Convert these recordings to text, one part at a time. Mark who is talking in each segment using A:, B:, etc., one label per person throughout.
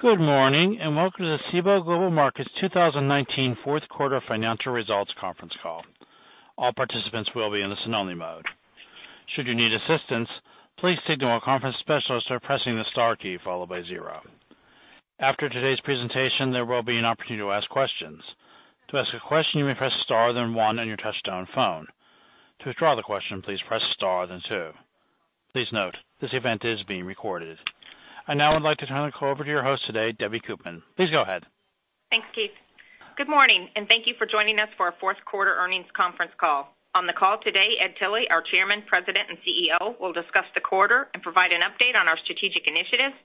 A: Good morning. Welcome to the Cboe Global Markets 2019 fourth quarter financial results conference call. All participants will be in listen-only mode. Should you need assistance, please signal a conference specialist by pressing the star key followed by zero. After today's presentation, there will be an opportunity to ask questions. To ask a question, you may press star, then one on your touch-tone phone. To withdraw the question, please press star, then two. Please note, this event is being recorded. I now would like to turn the call over to your host today, Debbie Koopman. Please go ahead.
B: Thanks, Keith. Good morning, thank you for joining us for our fourth quarter earnings conference call. On the call today, Ed Tilly, our Chairman, President, and CEO, will discuss the quarter and provide an update on our strategic initiatives.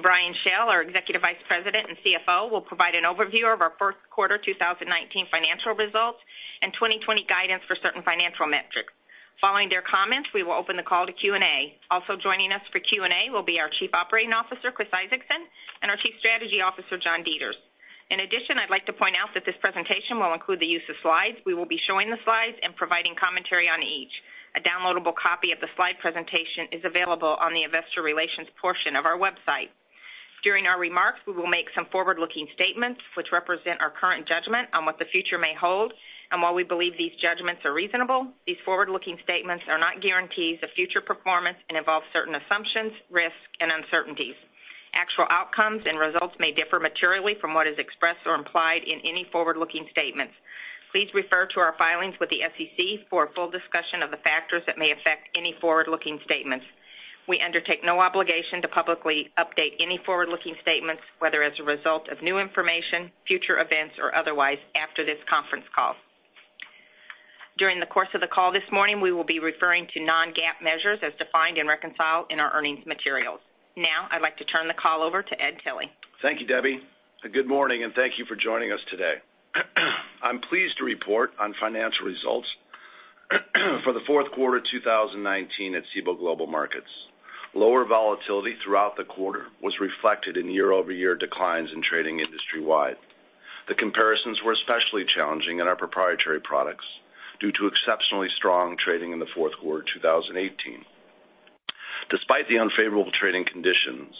B: Brian Schell, our Executive Vice President and CFO, will provide an overview of our fourth quarter 2019 financial results and 2020 guidance for certain financial metrics. Following their comments, we will open the call to Q&A. Also joining us for Q&A will be our Chief Operating Officer, Chris Isaacson, and our Chief Strategy Officer, John Deters. In addition, I'd like to point out that this presentation will include the use of slides. We will be showing the slides and providing commentary on each. A downloadable copy of the slide presentation is available on the investor relations portion of our website. During our remarks, we will make some forward-looking statements which represent our current judgment on what the future may hold. While we believe these judgments are reasonable, these forward-looking statements are not guarantees of future performance and involve certain assumptions, risks, and uncertainties. Actual outcomes and results may differ materially from what is expressed or implied in any forward-looking statements. Please refer to our filings with the SEC for a full discussion of the factors that may affect any forward-looking statements. We undertake no obligation to publicly update any forward-looking statements, whether as a result of new information, future events, or otherwise after this conference call. During the course of the call this morning, we will be referring to non-GAAP measures as defined and reconciled in our earnings materials. I'd like to turn the call over to Ed Tilly.
C: Thank you, Debbie. Good morning, and thank you for joining us today. I'm pleased to report on financial results for the fourth quarter of 2019 at Cboe Global Markets. Lower volatility throughout the quarter was reflected in year-over-year declines in trading industry-wide. The comparisons were especially challenging in our proprietary products due to exceptionally strong trading in the fourth quarter of 2018. Despite the unfavorable trading conditions,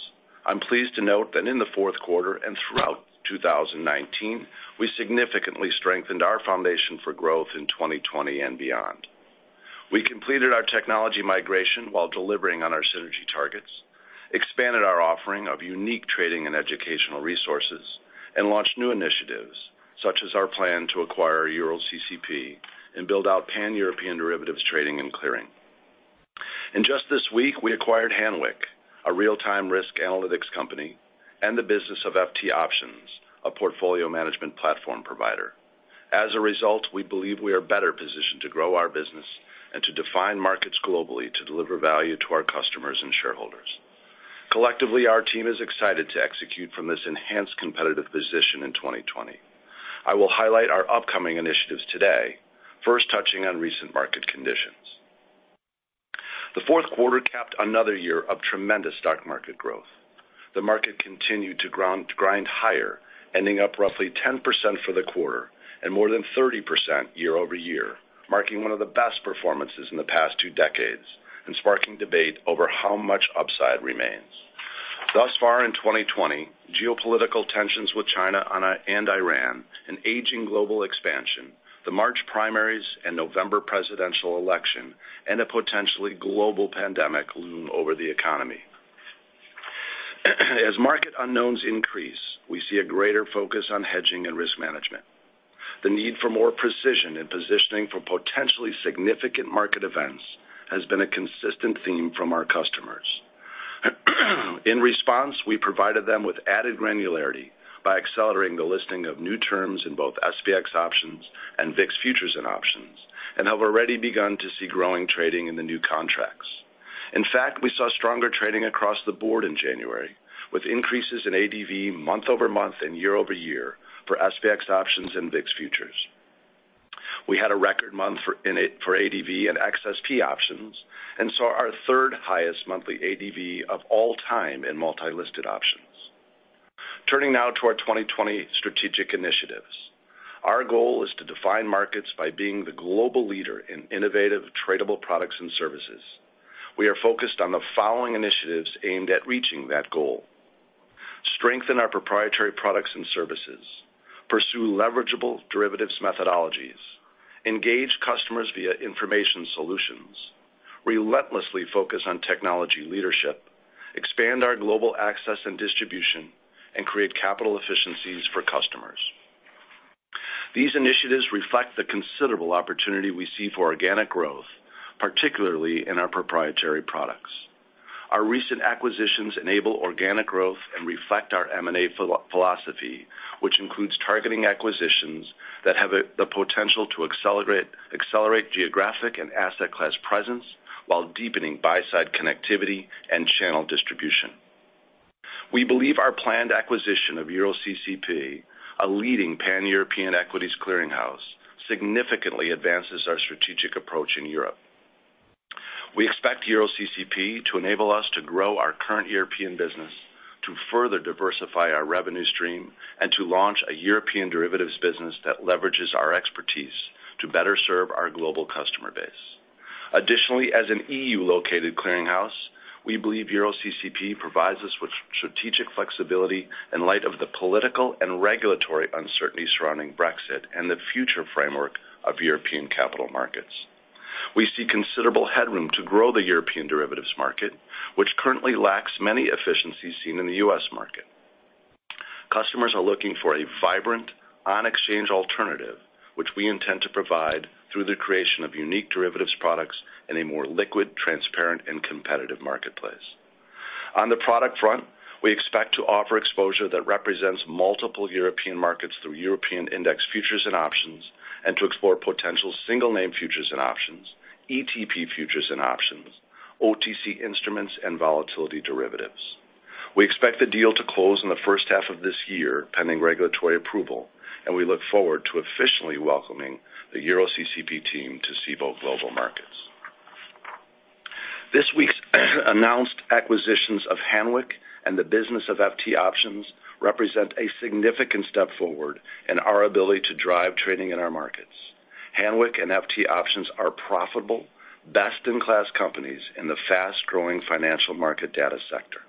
C: I'm pleased to note that in the fourth quarter and throughout 2019, we significantly strengthened our foundation for growth in 2020 and beyond. We completed our technology migration while delivering on our synergy targets, expanded our offering of unique trading and educational resources, and launched new initiatives, such as our plan to acquire EuroCCP and build out Pan-European derivatives trading and clearing. Just this week, we acquired Hanweck, a real-time risk analytics company, and the business of FT Options, a portfolio management platform provider. As a result, we believe we are better positioned to grow our business and to define markets globally to deliver value to our customers and shareholders. Collectively, our team is excited to execute from this enhanced competitive position in 2020. I will highlight our upcoming initiatives today, first touching on recent market conditions. The fourth quarter capped another year of tremendous stock market growth. The market continued to grind higher, ending up roughly 10% for the quarter and more than 30% year-over-year, marking one of the best performances in the past two decades and sparking debate over how much upside remains. Thus far in 2020, geopolitical tensions with China and Iran, an aging global expansion, the March primaries and November presidential election, and a potentially global pandemic loom over the economy. As market unknowns increase, we see a greater focus on hedging and risk management. The need for more precision in positioning for potentially significant market events has been a consistent theme from our customers. In response, we provided them with added granularity by accelerating the listing of new terms in both SPX options and VIX futures and options and have already begun to see growing trading in the new contracts. In fact, we saw stronger trading across the board in January, with increases in ADV month-over-month and year-over-year for SPX options and VIX futures. We had a record month for ADV and XSP options and saw our third highest monthly ADV of all time in multi-listed options. Turning now to our 2020 strategic initiatives. Our goal is to define markets by being the global leader in innovative tradable products and services. We are focused on the following initiatives aimed at reaching that goal: strengthen our proprietary products and services, pursue leverageable derivatives methodologies, engage customers via Information Solutions, relentlessly focus on technology leadership, expand our global access and distribution, and create capital efficiencies for customers. These initiatives reflect the considerable opportunity we see for organic growth, particularly in our proprietary products. Our recent acquisitions enable organic growth and reflect our M&A philosophy, which includes targeting acquisitions that have the potential to accelerate geographic and asset class presence while deepening buy-side connectivity and channel distribution. We believe our planned acquisition of EuroCCP, a leading pan-European equities clearing house, significantly advances our strategic approach in Europe. We expect EuroCCP to enable us to grow our current European business, to further diversify our revenue stream, and to launch a European derivatives business that leverages our expertise to better serve our global customer base. Additionally, as an EU-located clearinghouse, we believe EuroCCP provides us with strategic flexibility in light of the political and regulatory uncertainty surrounding Brexit and the future framework of European capital markets. We see considerable headroom to grow the European derivatives market, which currently lacks many efficiencies seen in the U.S. market. Customers are looking for a vibrant, on-exchange alternative, which we intend to provide through the creation of unique derivatives products in a more liquid, transparent, and competitive marketplace. On the product front, we expect to offer exposure that represents multiple European markets through European index futures and options, and to explore potential single name futures and options, ETP futures and options, OTC instruments, and volatility derivatives. We expect the deal to close in the first half of this year, pending regulatory approval, and we look forward to officially welcoming the EuroCCP team to Cboe Global Markets. This week's announced acquisitions of Hanweck and the business of FT Options represent a significant step forward in our ability to drive trading in our markets. Hanweck and FT Options are profitable, best-in-class companies in the fast-growing financial market data sector.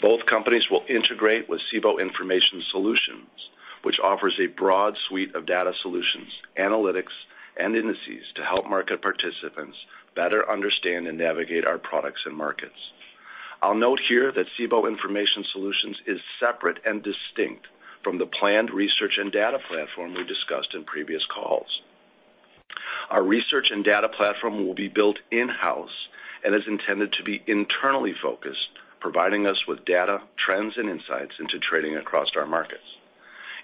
C: Both companies will integrate with Cboe Information Solutions, which offers a broad suite of data solutions, analytics, and indices to help market participants better understand and navigate our products and markets. I'll note here that Cboe Information Solutions is separate and distinct from the planned research and data platform we discussed in previous calls. Our research and data platform will be built in-house and is intended to be internally focused, providing us with data, trends, and insights into trading across our markets.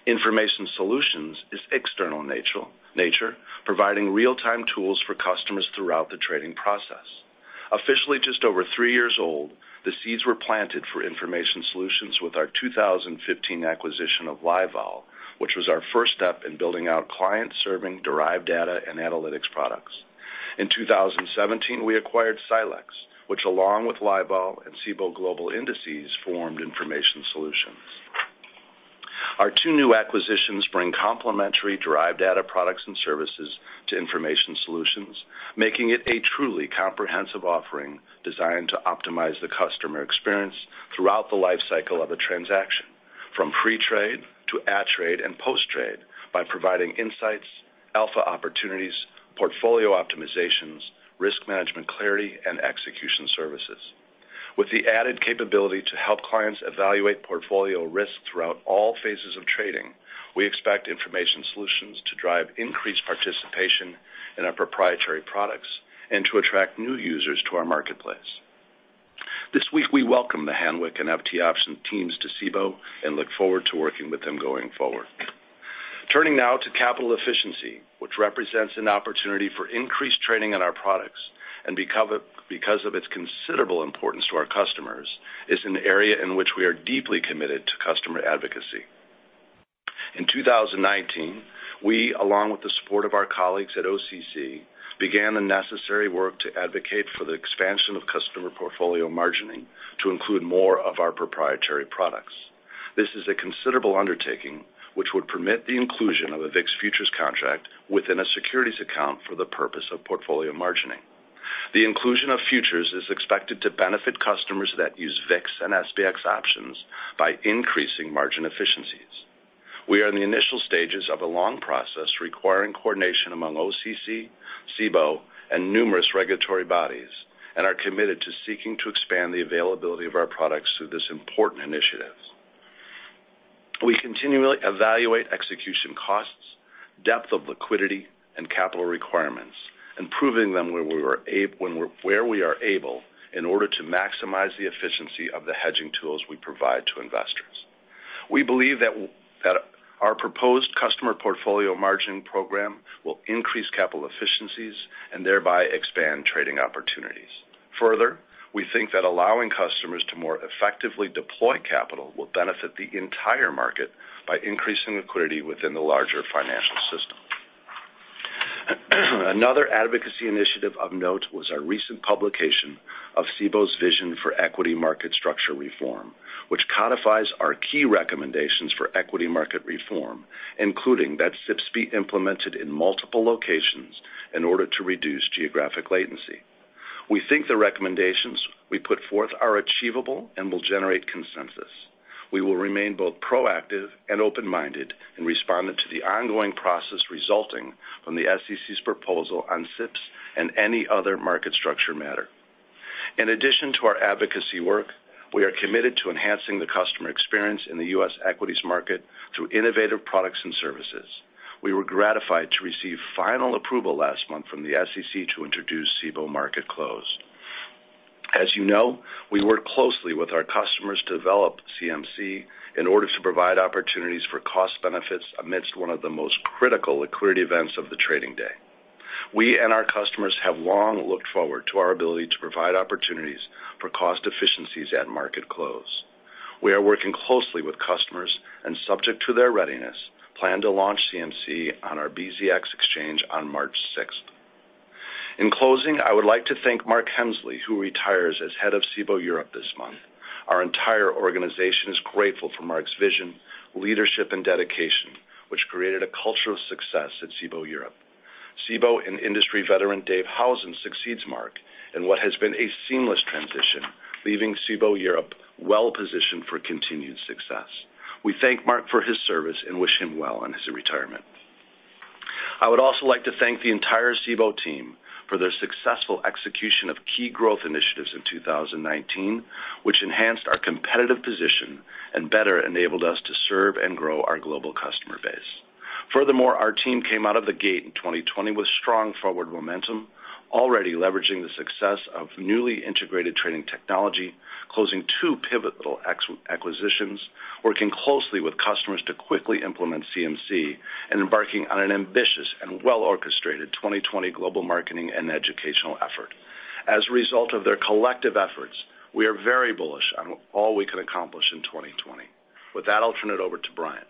C: Information Solutions is external nature, providing real-time tools for customers throughout the trading process. Officially just over three years old, the seeds were planted for Information Solutions with our 2015 acquisition of Livevol, which was our first step in building out client-serving derived data and analytics products. In 2017, we acquired Silexx, which along with Livevol and Cboe Global Indices, formed Information Solutions. Our two new acquisitions bring complementary derived data products and services to Information Solutions, making it a truly comprehensive offering designed to optimize the customer experience throughout the life cycle of a transaction, from pre-trade to at trade and post-trade by providing insights, alpha opportunities, portfolio optimizations, risk management clarity, and execution services. With the added capability to help clients evaluate portfolio risk throughout all phases of trading, we expect Information Solutions to drive increased participation in our proprietary products and to attract new users to our marketplace. This week, we welcome the Hanweck and FT Options teams to Cboe and look forward to working with them going forward. Turning now to capital efficiency, which represents an opportunity for increased trading on our products, and because of its considerable importance to our customers, is an area in which we are deeply committed to customer advocacy. In 2019, we, along with the support of our colleagues at OCC, began the necessary work to advocate for the expansion of customer portfolio margining to include more of our proprietary products. This is a considerable undertaking which would permit the inclusion of a VIX futures contract within a securities account for the purpose of portfolio margining. The inclusion of futures is expected to benefit customers that use VIX and SPX options by increasing margin efficiencies. We are in the initial stages of a long process requiring coordination among OCC, Cboe, and numerous regulatory bodies, and are committed to seeking to expand the availability of our products through this important initiative. We continually evaluate execution costs, depth of liquidity, and capital requirements, improving them where we are able in order to maximize the efficiency of the hedging tools we provide to investors. We believe that our proposed customer portfolio margining program will increase capital efficiencies and thereby expand trading opportunities. We think that allowing customers to more effectively deploy capital will benefit the entire market by increasing liquidity within the larger financial system. Another advocacy initiative of note was our recent publication of Cboe's vision for equity market structure reform, which codifies our key recommendations for equity market reform, including that SIPs be implemented in multiple locations in order to reduce geographic latency. We think the recommendations we put forth are achievable and will generate consensus. We will remain both proactive and open-minded in responding to the ongoing process resulting from the SEC's proposal on SIPs and any other market structure matter. In addition to our advocacy work, we are committed to enhancing the customer experience in the U.S. equities market through innovative products and services. We were gratified to receive final approval last month from the SEC to introduce Cboe Market Close. As you know, we work closely with our customers to develop CMC in order to provide opportunities for cost benefits amidst one of the most critical liquidity events of the trading day. We and our customers have long looked forward to our ability to provide opportunities for cost efficiencies at market close. We are working closely with customers, and subject to their readiness, plan to launch CMC on our BZX Exchange on March 6th. In closing, I would like to thank Mark Hemsley, who retires as head of Cboe Europe this month. Our entire organization is grateful for Mark's vision, leadership, and dedication, which created a culture of success at Cboe Europe. Cboe and industry veteran Dave Howson succeeds Mark in what has been a seamless transition, leaving Cboe Europe well-positioned for continued success. We thank Mark for his service and wish him well on his retirement. I would also like to thank the entire Cboe team for their successful execution of key growth initiatives in 2019, which enhanced our competitive position and better enabled us to serve and grow our global customer base. Furthermore, our team came out of the gate in 2020 with strong forward momentum, already leveraging the success of newly integrated trading technology, closing two pivotal acquisitions, working closely with customers to quickly implement CMC, and embarking on an ambitious and well-orchestrated 2020 global marketing and educational effort. As a result of their collective efforts, we are very bullish on all we can accomplish in 2020. With that, I'll turn it over to Brian.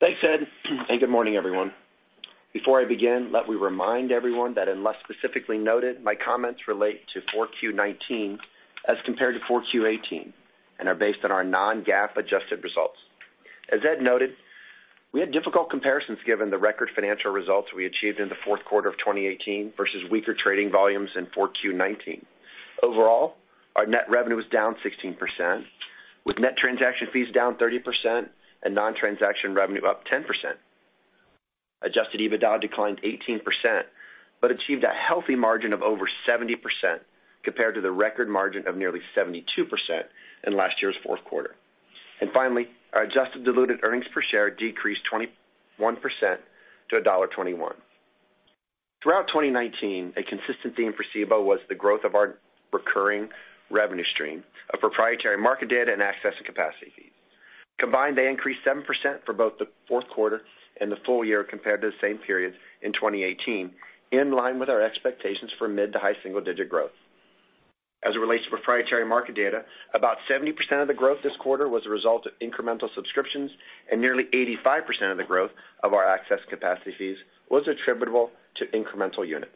D: Thanks, Ed, and good morning, everyone. Before I begin, let me remind everyone that unless specifically noted, my comments relate to 4Q19 as compared to 4Q18 and are based on our non-GAAP adjusted results. As Ed noted, we had difficult comparisons given the record financial results we achieved in the fourth quarter of 2018 versus weaker trading volumes in 4Q19. Overall, our net revenue was down 16%, with net transaction fees down 30% and non-transaction revenue up 10%. Adjusted EBITDA declined 18%, but achieved a healthy margin of over 70% compared to the record margin of nearly 72% in last year's fourth quarter. Finally, our adjusted diluted earnings per share decreased 21% to $1.21. Throughout 2019, a consistent theme for Cboe was the growth of our recurring revenue stream of proprietary market data and access to capacity fees. Combined, they increased 7% for both the fourth quarter and the full year compared to the same period in 2018, in line with our expectations for mid to high single-digit growth. As it relates to proprietary market data, about 70% of the growth this quarter was a result of incremental subscriptions and nearly 85% of the growth of our access capacity fees was attributable to incremental units.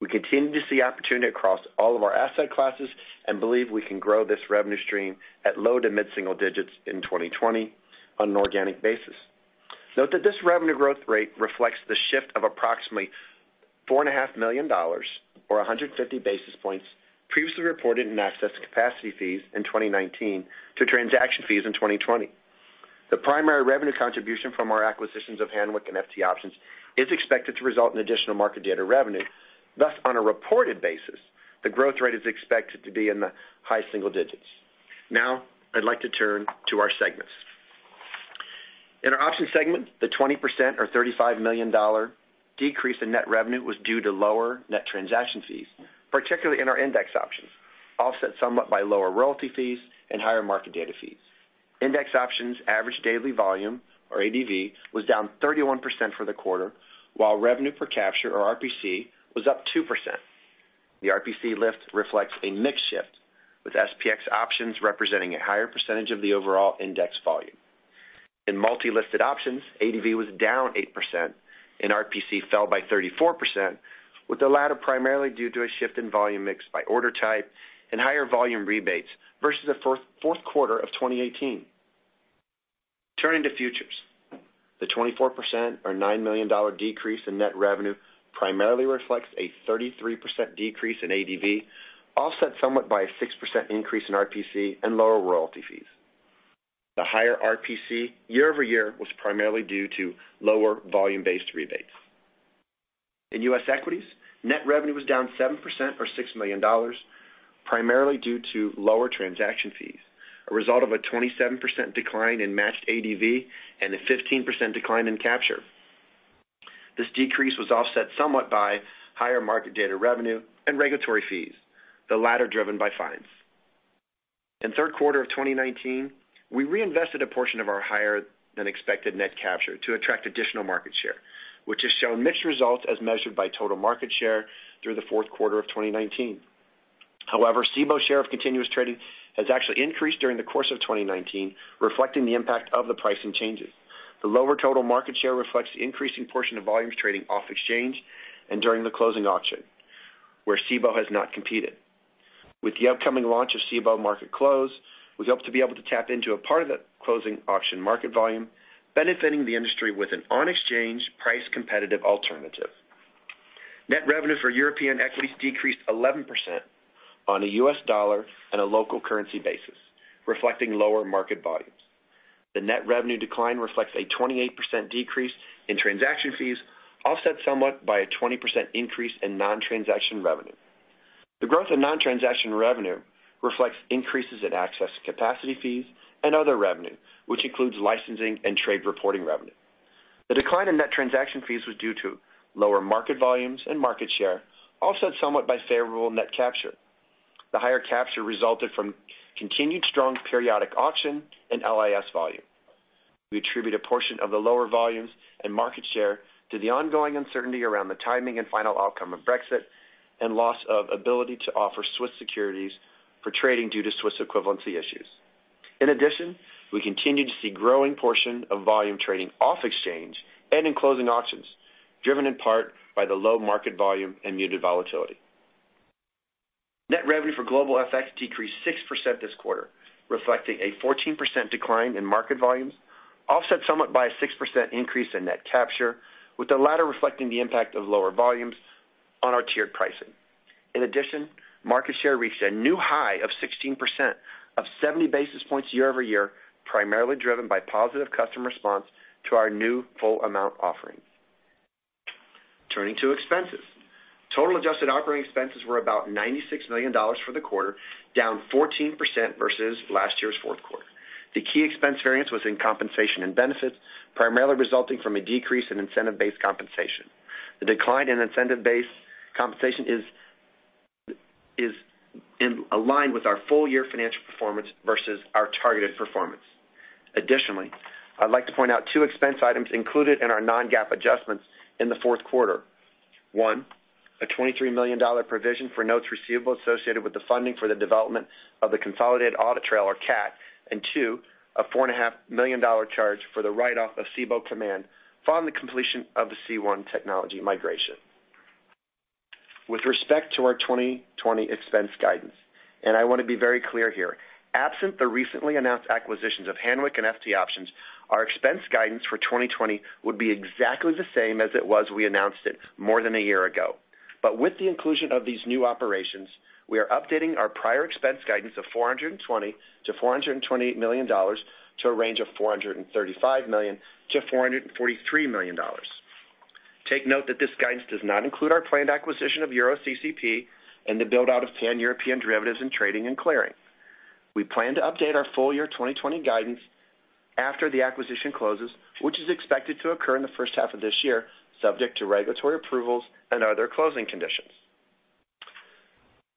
D: We continue to see opportunity across all of our asset classes and believe we can grow this revenue stream at low to mid-single digits in 2020 on an organic basis. Note that this revenue growth rate reflects the shift of approximately $4.5 million, or 150 basis points previously reported in access to capacity fees in 2019 to transaction fees in 2020. The primary revenue contribution from our acquisitions of Hanweck and FT Options is expected to result in additional market data revenue. Thus, on a reported basis, the growth rate is expected to be in the high single digits. Now, I'd like to turn to our segments. In our options segment, the 20%, or $35 million, decrease in net revenue was due to lower net transaction fees, particularly in our index options, offset somewhat by lower royalty fees and higher market data fees. Index options average daily volume, or ADV, was down 31% for the quarter, while revenue per capture, or RPC, was up 2%. The RPC lift reflects a mix shift, with SPX options representing a higher percentage of the overall index volume. In multi-listed options, ADV was down 8% and RPC fell by 34%, with the latter primarily due to a shift in volume mix by order type and higher volume rebates versus the fourth quarter of 2018. Turning to futures, the 24%, or $9 million, decrease in net revenue primarily reflects a 33% decrease in ADV, offset somewhat by a 6% increase in RPC and lower royalty fees. The higher RPC year-over-year was primarily due to lower volume-based rebates. In U.S. equities, net revenue was down 7%, or $6 million, primarily due to lower transaction fees, a result of a 27% decline in matched ADV and a 15% decline in capture. This decrease was offset somewhat by higher market data revenue and regulatory fees, the latter driven by fines. In third quarter of 2019, we reinvested a portion of our higher-than-expected net capture to attract additional market share, which has shown mixed results as measured by total market share through the fourth quarter of 2019. However, Cboe share of continuous trading has actually increased during the course of 2019, reflecting the impact of the pricing changes. The lower total market share reflects the increasing portion of volumes trading off exchange and during the closing auction, where Cboe has not competed. With the upcoming launch of Cboe Market Close, we hope to be able to tap into a part of that closing auction market volume, benefiting the industry with an on-exchange, price-competitive alternative. Net revenue for European equities decreased 11% on a U.S. dollar and a local currency basis, reflecting lower market volumes. The net revenue decline reflects a 28% decrease in transaction fees, offset somewhat by a 20% increase in non-transaction revenue. The growth in non-transaction revenue reflects increases in access to capacity fees and other revenue, which includes licensing and trade reporting revenue. The decline in net transaction fees was due to lower market volumes and market share, offset somewhat by favorable net capture. The higher capture resulted from continued strong periodic auction and LIS volume. We attribute a portion of the lower volumes and market share to the ongoing uncertainty around the timing and final outcome of Brexit and loss of ability to offer Swiss securities for trading due to Swiss equivalency issues. We continue to see growing portion of volume trading off exchange and in closing auctions, driven in part by the low market volume and muted volatility. Net revenue for global FX decreased 6% this quarter, reflecting a 14% decline in market volumes, offset somewhat by a 6% increase in net capture, with the latter reflecting the impact of lower volumes on our tiered pricing. In addition, market share reached a new high of 16%, up 70 basis points year-over-year, primarily driven by positive customer response to our new Full Amount offering. Turning to expenses. Total adjusted operating expenses were about $96 million for the quarter, down 14% versus last year's fourth quarter. The key expense variance was in compensation and benefits, primarily resulting from a decrease in incentive-based compensation. The decline in incentive-based compensation is aligned with our full year financial performance versus our targeted performance. Additionally, I'd like to point out two expense items included in our non-GAAP adjustments in the fourth quarter. One, a $23 million provision for notes receivable associated with the funding for the development of the Consolidated Audit Trail, or CAT, and two, a $4.5 million charge for the write-off of Cboe Command following the completion of the C1 technology migration. With respect to our 2020 expense guidance, I want to be very clear here, absent the recently announced acquisitions of Hanweck and FT Options, our expense guidance for 2020 would be exactly the same as it was we announced it more than a year ago. With the inclusion of these new operations, we are updating our prior expense guidance of $420 million-$428 million to a range of $435 million-$443 million. Take note that this guidance does not include our planned acquisition of EuroCCP and the build-out of Pan-European derivatives in trading and clearing. We plan to update our full year 2020 guidance after the acquisition closes, which is expected to occur in the first half of this year, subject to regulatory approvals and other closing conditions.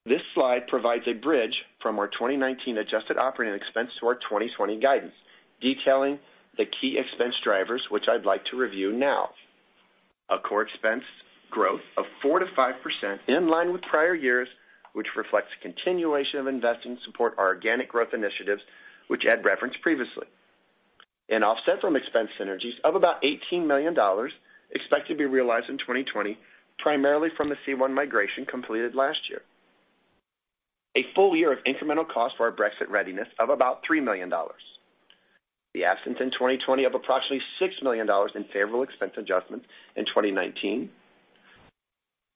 D: This slide provides a bridge from our 2019 adjusted operating expense to our 2020 guidance, detailing the key expense drivers, which I'd like to review now. A core expense growth of 4%-5% in line with prior years, which reflects continuation of investment support, our organic growth initiatives, which I had referenced previously, and offset from expense synergies of about $18 million expected to be realized in 2020, primarily from the C1 migration completed last year. A full year of incremental cost for our Brexit readiness of about $3 million. The absence in 2020 of approximately $6 million in favorable expense adjustments in 2019.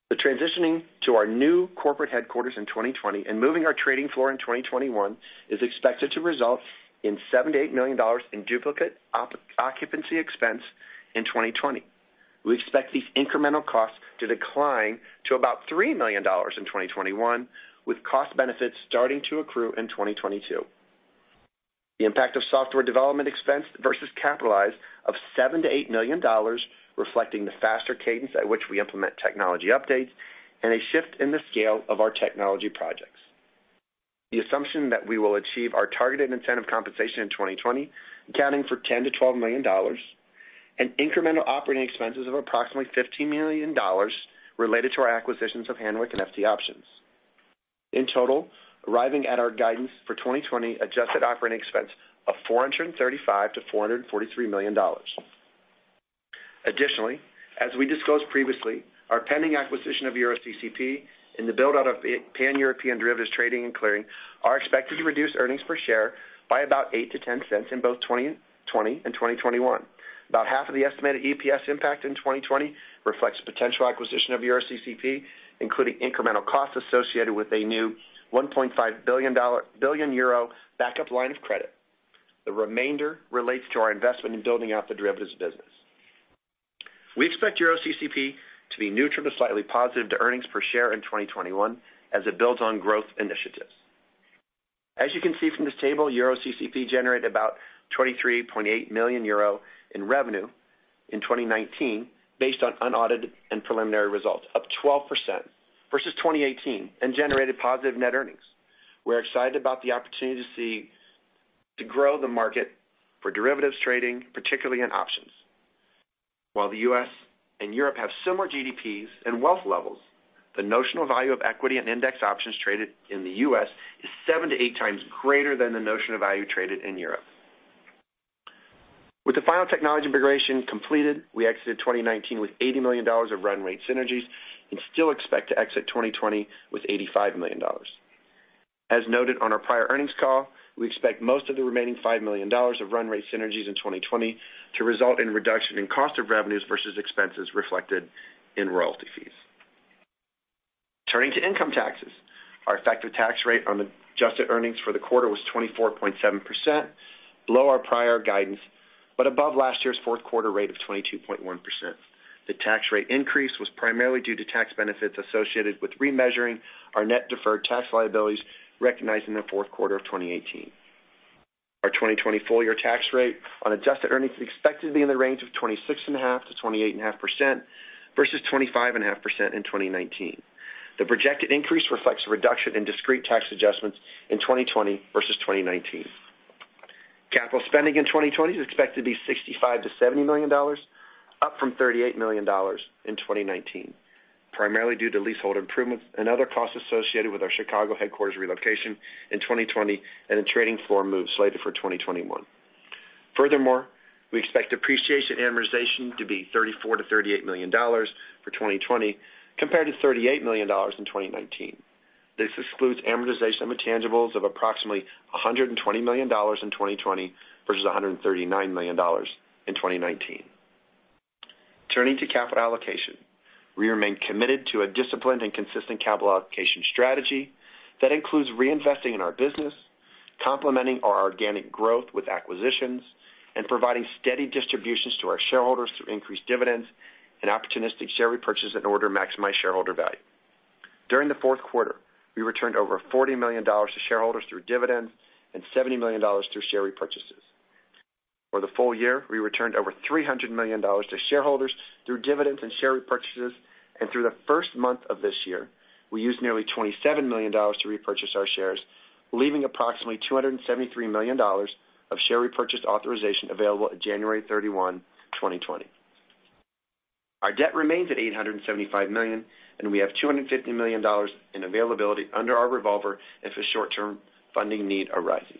D: The transitioning to our new corporate headquarters in 2020 and moving our trading floor in 2021 is expected to result in $7 million-$8 million in duplicate occupancy expense in 2020. We expect these incremental costs to decline to about $3 million in 2021, with cost benefits starting to accrue in 2022. The impact of software development expense versus capitalized of $7 million-$8 million, reflecting the faster cadence at which we implement technology updates and a shift in the scale of our technology projects. The assumption that we will achieve our targeted incentive compensation in 2020, accounting for $10 million-$12 million. Incremental operating expenses of approximately $15 million related to our acquisitions of Hanweck and FT Options. In total, arriving at our guidance for 2020 adjusted operating expense of $435 million-$443 million. Additionally, as we disclosed previously, our pending acquisition of EuroCCP and the build-out of Pan-European derivatives trading and clearing are expected to reduce earnings per share by about $0.08-$0.10 in both 2020 and 2021. About half of the estimated EPS impact in 2020 reflects potential acquisition of EuroCCP, including incremental costs associated with a new EUR 1.5 billion backup line of credit. The remainder relates to our investment in building out the derivatives business. We expect EuroCCP to be neutral to slightly positive to earnings per share in 2021 as it builds on growth initiatives. As you can see from this table, EuroCCP generated about 23.8 million euro in revenue in 2019 based on unaudited and preliminary results, up 12% versus 2018, and generated positive net earnings. We're excited about the opportunity to grow the market for derivatives trading, particularly in options. While the U.S. and Europe have similar GDPs and wealth levels, the notional value of equity and index options traded in the U.S. is seven to eight times greater than the notional value traded in Europe. With the final technology integration completed, we exited 2019 with $80 million of run rate synergies and still expect to exit 2020 with $85 million. As noted on our prior earnings call, we expect most of the remaining $5 million of run rate synergies in 2020 to result in reduction in cost of revenues versus expenses reflected in royalty fees. Turning to income taxes. Our effective tax rate on adjusted earnings for the quarter was 24.7%, below our prior guidance, but above last year's fourth quarter rate of 22.1%. The tax rate increase was primarily due to tax benefits associated with remeasuring our net deferred tax liabilities recognized in the fourth quarter of 2018. Our 2020 full year tax rate on adjusted earnings is expected to be in the range of 26.5%-28.5% versus 25.5% in 2019. The projected increase reflects a reduction in discrete tax adjustments in 2020 versus 2019. Capital spending in 2020 is expected to be $65 million-$70 million, up from $38 million in 2019, primarily due to leasehold improvements and other costs associated with our Chicago headquarters relocation in 2020 and the trading floor move slated for 2021. We expect depreciation amortization to be $34 million-$38 million for 2020, compared to $38 million in 2019. This excludes amortization intangibles of approximately $120 million in 2020 versus $139 million in 2019. Turning to capital allocation. We remain committed to a disciplined and consistent capital allocation strategy that includes reinvesting in our business, complementing our organic growth with acquisitions, and providing steady distributions to our shareholders through increased dividends and opportunistic share repurchase in order to maximize shareholder value. During the fourth quarter, we returned over $40 million to shareholders through dividends and $70 million through share repurchases. For the full year, we returned over $300 million to shareholders through dividends and share repurchases. Through the first month of this year, we used nearly $27 million to repurchase our shares, leaving approximately $273 million of share repurchase authorization available at January 31, 2020. Our debt remains at $875 million, and we have $250 million in availability under our revolver if a short-term funding need arises.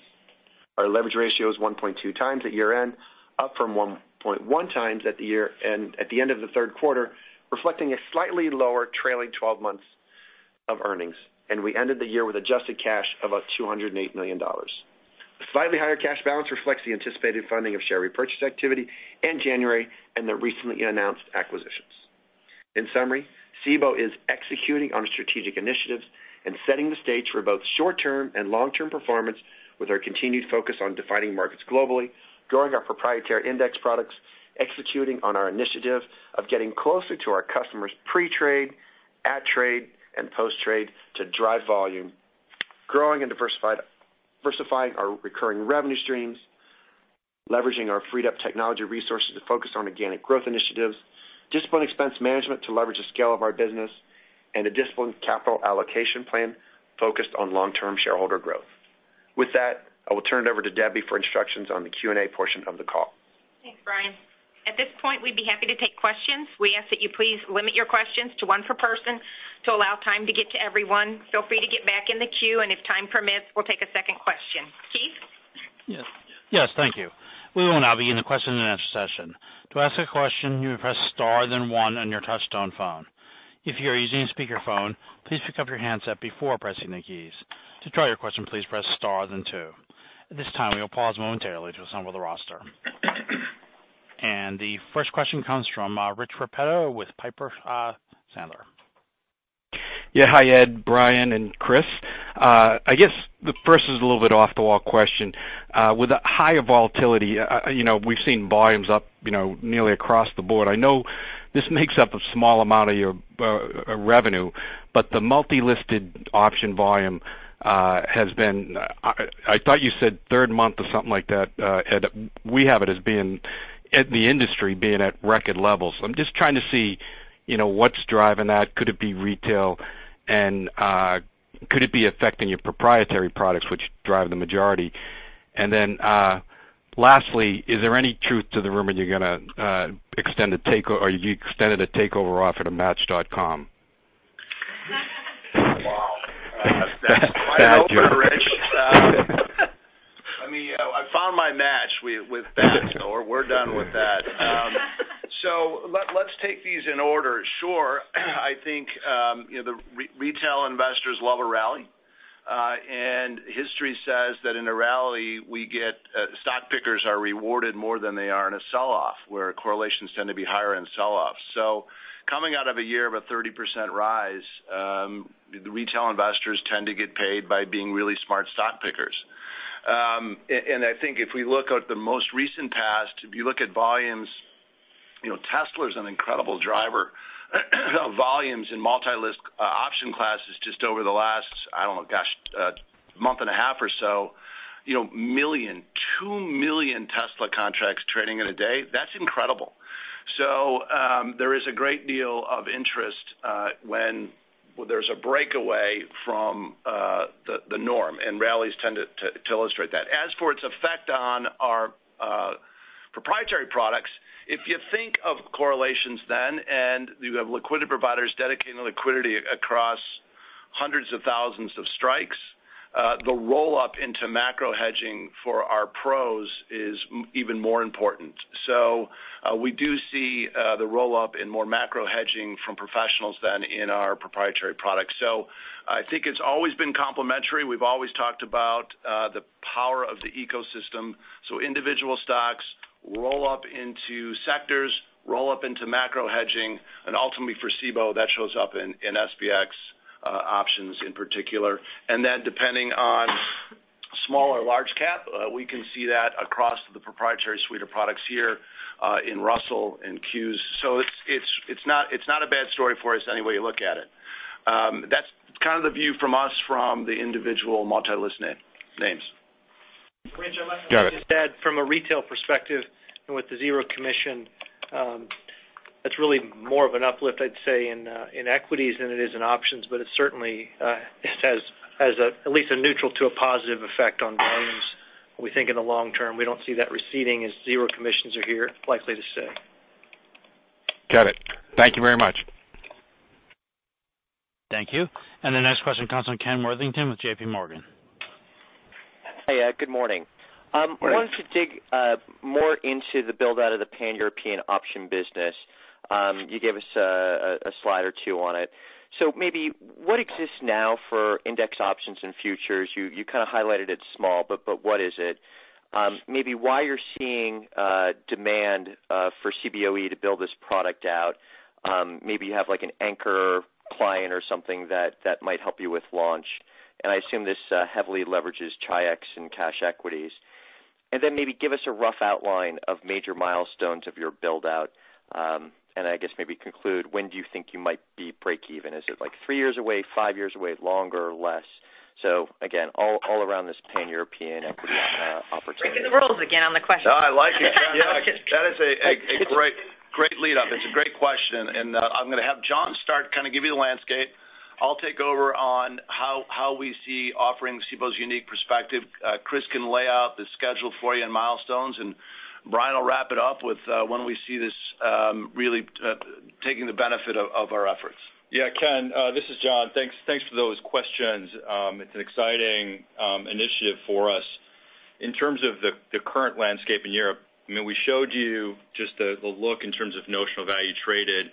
D: Our leverage ratio is 1.2 times at year-end, up from 1.1 times at the end of the third quarter, reflecting a slightly lower trailing 12 months of earnings. We ended the year with adjusted cash of about $208 million. The slightly higher cash balance reflects the anticipated funding of share repurchase activity in January and the recently announced acquisitions. In summary, Cboe is executing on strategic initiatives and setting the stage for both short-term and long-term performance with our continued focus on defining markets globally, growing our proprietary index products, executing on our initiative of getting closer to our customers pre-trade, at trade, and post-trade to drive volume, growing and diversifying our recurring revenue streams, leveraging our freed-up technology resources to focus on organic growth initiatives, disciplined expense management to leverage the scale of our business, and a disciplined capital allocation plan focused on long-term shareholder growth. With that, I will turn it over to Debbie for instructions on the Q&A portion of the call.
B: Thanks, Brian. At this point, we'd be happy to take questions. We ask that you please limit your questions to one per person to allow time to get to everyone. Feel free to get back in the queue, and if time permits, we'll take a second question. Keith?
A: Yes. Thank you. We will now begin the question and answer session. To ask a question, you would press star then one on your touchtone phone. If you are using a speakerphone, please pick up your handset before pressing the keys. To withdraw your question, please press star then two. At this time, we will pause momentarily to assemble the roster. The first question comes from Richard Repetto with Piper Sandler.
E: Yeah. Hi, Ed, Brian, and Chris. I guess the first is a little bit off-the-wall question. With the higher volatility, we've seen volumes up nearly across the board. I know this makes up a small amount of your revenue, but the multi-listed option volume has been, I thought you said third month or something like that, Ed. We have it as the industry being at record levels. I'm just trying to see what's driving that. Could it be retail? Could it be affecting your proprietary products, which drive the majority? Lastly, is there any truth to the rumor you extended a takeover offer to Match.com?
C: Wow. That's quite an opener, Rich. I found my match with that. We're done with that. Let's take these in order. Sure. I think the retail investors love a rally. History says that in a rally, stock pickers are rewarded more than they are in a sell-off, where correlations tend to be higher in sell-offs. Coming out of a year of a 30% rise, the retail investors tend to get paid by being really smart stock pickers. I think if we look at the most recent past, if you look at volumes, Tesla's an incredible driver of volumes in multi-list option classes just over the last, I don't know, gosh, month and a half or so. 2 million Tesla contracts trading in a day, that's incredible. There is a great deal of interest, when there's a breakaway from the norm, and rallies tend to illustrate that. As for its effect on our proprietary products, if you think of correlations then, and you have liquidity providers dedicating liquidity across hundreds of thousands of strikes, the roll-up into macro hedging for our pros is even more important. We do see the roll-up in more macro hedging from professionals then in our proprietary products. I think it's always been complementary. We've always talked about the power of the ecosystem. Individual stocks roll up into sectors, roll up into macro hedging, and ultimately for Cboe, that shows up in SPX options in particular. Depending on small or large cap, we can see that across the proprietary suite of products here, in Russell and Q's. It's not a bad story for us any way you look at it. That's kind of the view from us from the individual multi-list names.
F: Rich, I might add to what Ed said from a retail perspective and with the zero commission. That's really more of an uplift, I'd say, in equities than it is in options, but it certainly has at least a neutral to a positive effect on volumes. We think in the long term, we don't see that receding as zero commissions are here, likely to stay.
E: Got it. Thank you very much.
A: Thank you. The next question comes from Ken Worthington with JPMorgan.
G: Hey, good morning.
C: Morning.
G: I wanted to dig more into the build-out of the Pan-European option business. You gave us a slide or two on it. Maybe what exists now for index options and futures? You kind of highlighted it's small, but what is it? Maybe why you're seeing demand for Cboe to build this product out. Maybe you have an anchor client or something that might help you with launch. I assume this heavily leverages Chi-X and cash equities. Maybe give us a rough outline of major milestones of your build-out. I guess maybe conclude, when do you think you might be breakeven? Is it like three years away, five years away, longer, less? Again, all around this Pan-European equity option opportunity.
B: Breaking the rules again on the question.
C: No, I like it. That is a great lead-up. It's a great question, and I'm going to have John start, kind of give you the landscape. I'll take over on how we see offerings Cboe's unique perspective. Chris can lay out the schedule for you and milestones, and Brian will wrap it up with when we see this really taking the benefit of our efforts.
H: Yeah, Ken, this is John. Thanks for those questions. It's an exciting initiative for us. In terms of the current landscape in Europe, we showed you just the look in terms of notional value traded.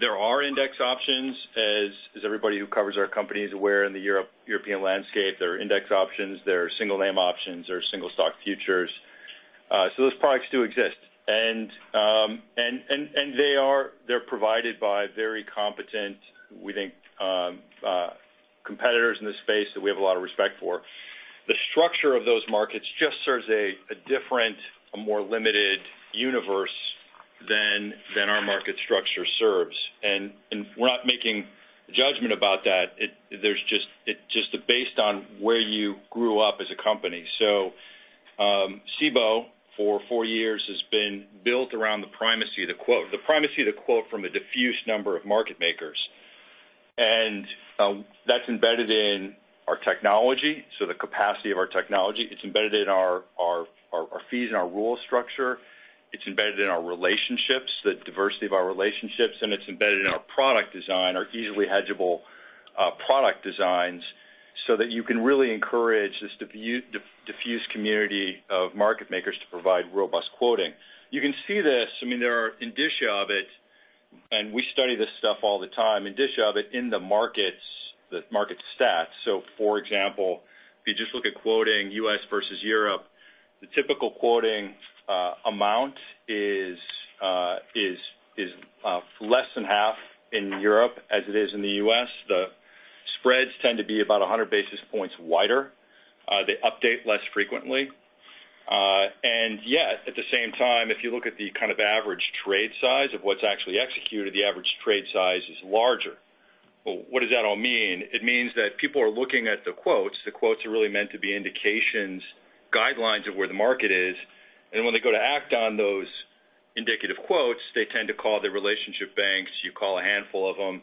H: There are index options, as everybody who covers our company is aware in the European landscape. There are index options, there are single name options, there are single stock futures. Those products do exist. They're provided by very competent, we think, competitors in this space that we have a lot of respect for. The structure of those markets just serves a different, a more limited universe than our market structure serves. We're not making a judgment about that. It's just based on where you grew up as a company. Cboe, for four years, has been built around the primacy of the quote from a diffuse number of market makers. That's embedded in our technology, so the capacity of our technology. It's embedded in our fees and our rule structure. It's embedded in our relationships, the diversity of our relationships, and it's embedded in our product design, our easily hedgeable product designs, so that you can really encourage this diffuse community of market makers to provide robust quoting. You can see this, there are indicia of it, and we study this stuff all the time, indicia of it in the markets stats. For example, if you just look at quoting U.S. versus Europe, the typical quoting amount is less than half in Europe as it is in the U.S. The spreads tend to be about 100 basis points wider. They update less frequently. Yet, at the same time, if you look at the kind of average trade size of what's actually executed, the average trade size is larger. What does that all mean? It means that people are looking at the quotes. The quotes are really meant to be indications, guidelines of where the market is. When they go to act on those indicative quotes, they tend to call their relationship banks. You call a handful of them,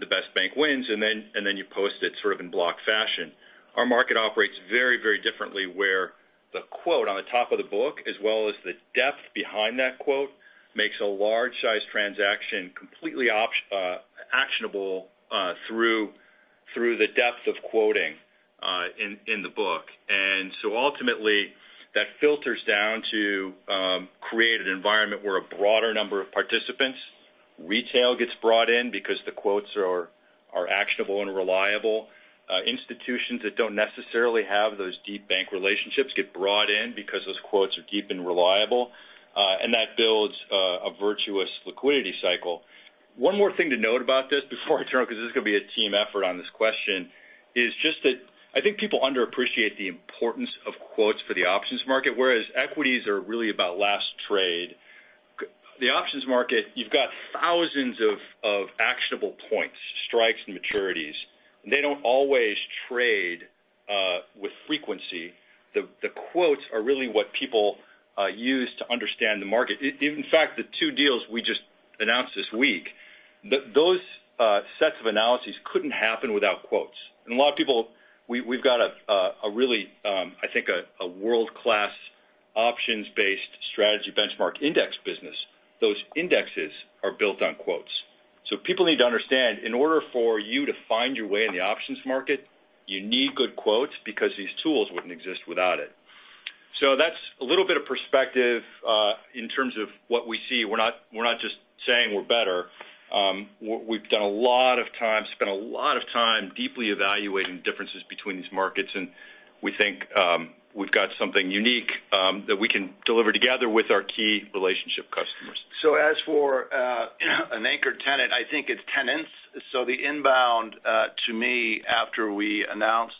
H: the best bank wins, and then you post it sort of in block fashion. Our market operates very differently, where the quote on the top of the book, as well as the depth behind that quote, makes a large-sized transaction completely actionable through the depth of quoting in the book. Ultimately, that filters down to create an environment where a broader number of participants, retail gets brought in because the quotes are actionable and reliable. Institutions that don't necessarily have those deep bank relationships get brought in because those quotes are deep and reliable. That builds a virtuous liquidity cycle. One more thing to note about this before I turn, because this is going to be a team effort on this question, is just that I think people underappreciate the importance of quotes for the options market, whereas equities are really about last trade. The options market, you've got thousands of actionable points, strikes, and maturities. They don't always trade with frequency. The quotes are really what people use to understand the market. In fact, the two deals we just announced this week, those sets of analyses couldn't happen without quotes. We've got a really, I think, a world-class options-based strategy benchmark index business. Those indexes are built on quotes. People need to understand, in order for you to find your way in the options market, you need good quotes because these tools wouldn't exist without it. That's a little bit of perspective in terms of what we see. We're not just saying we're better. We've done a lot of time, spent a lot of time deeply evaluating differences between these markets, and we think we've got something unique that we can deliver together with our key relationship customers.
C: As for an anchor tenant, I think it's tenants. The inbound to me, after we announced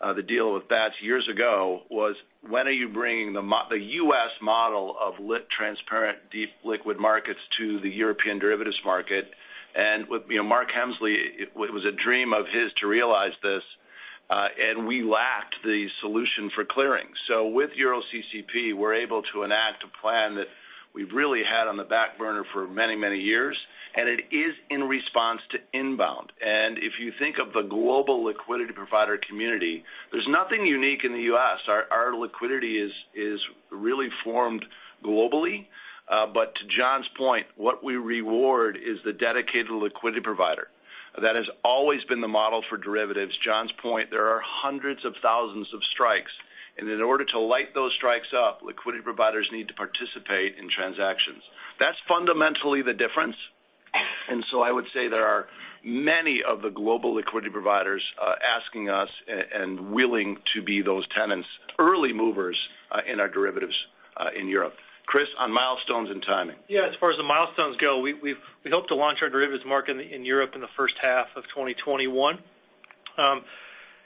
C: the deal with Bats years ago, was when are you bringing the U.S. model of lit, transparent, deep liquid markets to the European derivatives market? Mark Hemsley, it was a dream of his to realize this. We lacked the solution for clearing. With EuroCCP, we're able to enact a plan that we've really had on the back burner for many, many years, and it is in response to inbound. If you think of the global liquidity provider community, there's nothing unique in the U.S. Our liquidity is really formed globally. To John's point, what we reward is the dedicated liquidity provider. That has always been the model for derivatives. John's point, there are hundreds of thousands of strikes, and in order to light those strikes up, liquidity providers need to participate in transactions. That's fundamentally the difference. I would say there are many of the global liquidity providers asking us and willing to be those tenants, early movers in our derivatives in Europe. Chris, on milestones and timing.
F: Yeah, as far as the milestones go, we hope to launch our derivatives market in Europe in the first half of 2021.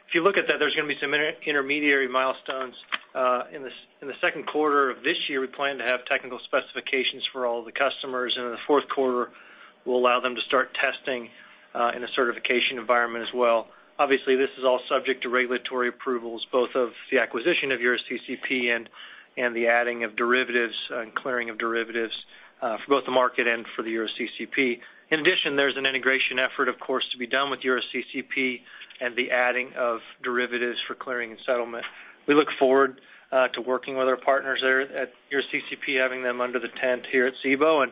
F: If you look at that, there's going to be some intermediary milestones. In the second quarter of this year, we plan to have technical specifications for all the customers, and in the fourth quarter, we'll allow them to start testing in a certification environment as well. Obviously, this is all subject to regulatory approvals, both of the acquisition of EuroCCP and the adding of derivatives and clearing of derivatives for both the market and for the EuroCCP. In addition, there's an integration effort, of course, to be done with EuroCCP and the adding of derivatives for clearing and settlement. We look forward to working with our partners there at EuroCCP, having them under the tent here at Cboe.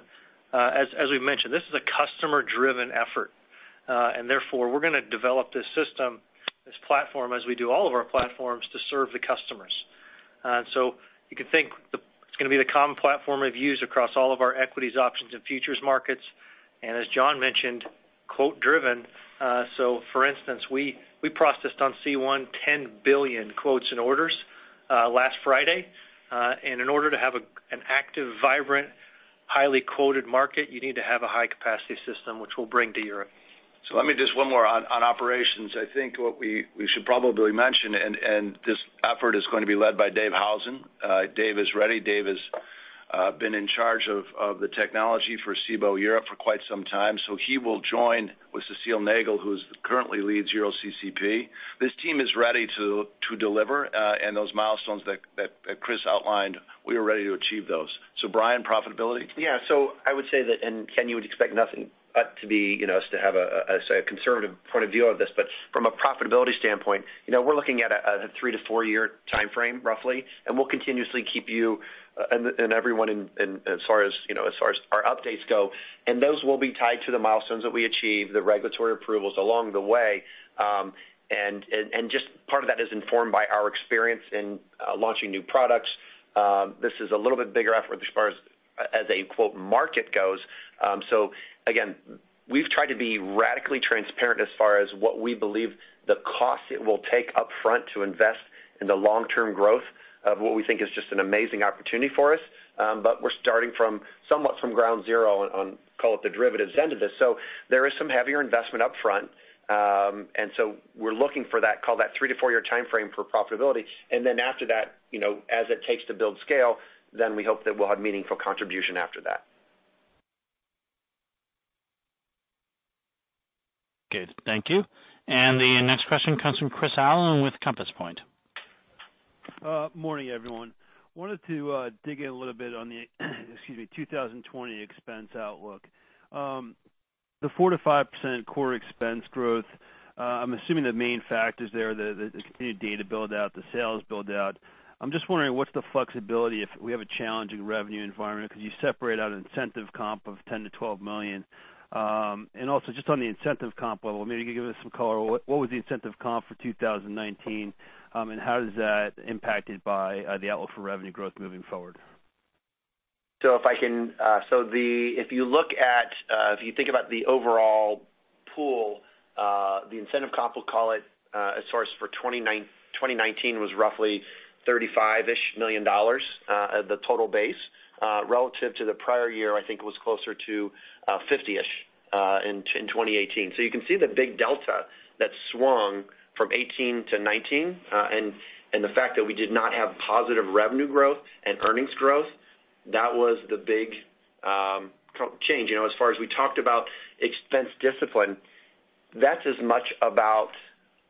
F: As we've mentioned, this is a customer-driven effort. Therefore, we're going to develop this system, this platform as we do all of our platforms to serve the customers. You can think it's going to be the common platform we've used across all of our equities options and futures markets. As John mentioned, quote, driven. For instance, we processed on C1, 10 billion quotes and orders last Friday. In order to have an active, vibrant, highly quoted market, you need to have a high-capacity system which we'll bring to Europe.
C: Let me just one more on operations. I think what we should probably mention, and this effort is going to be led by David Howson. Dave is ready. Dave has been in charge of the technology for Cboe Europe for quite some time. He will join with Cécile Nagel, who currently leads EuroCCP. This team is ready to deliver and those milestones that Chris outlined, we are ready to achieve those. Brian, profitability.
D: Yeah. I would say that, and Ken, you would expect nothing but us to have a conservative point of view of this. From a profitability standpoint, we're looking at a three to four-year timeframe, roughly, and we'll continuously keep you and everyone as far as our updates go. Those will be tied to the milestones that we achieve, the regulatory approvals along the way. Just part of that is informed by our experience in launching new products. This is a little bit bigger effort as a quote, "Market" goes. Again, we've tried to be radically transparent as far as what we believe the cost it will take upfront to invest in the long-term growth of what we think is just an amazing opportunity for us. We're starting somewhat from ground zero on, call it the derivatives end of this. There is some heavier investment up front. We're looking for that, call that three to four year timeframe for profitability. After that, as it takes to build scale, then we hope that we'll have meaningful contribution after that.
A: Good. Thank you. The next question comes from Chris Allen with Compass Point.
I: Morning, everyone. Wanted to dig in a little bit on the 2020 expense outlook. The 4%-5% core expense growth, I'm assuming the main factors there, the continued data build-out, the sales build-out. I'm just wondering what's the flexibility if we have a challenging revenue environment because you separate out incentive comp of $10 million-$12 million. Also just on the incentive comp level, maybe you could give us some color. What was the incentive comp for 2019? How is that impacted by the outlook for revenue growth moving forward?
D: If you think about the overall pool, the incentive comp, we'll call it, as sourced for 2019 was roughly $35-ish million, the total base. Relative to the prior year, I think it was closer to $50-ish million in 2018. You can see the big delta that swung from 2018-2019. The fact that we did not have positive revenue growth and earnings growth, that was the big change. As far as we talked about expense discipline, that's as much about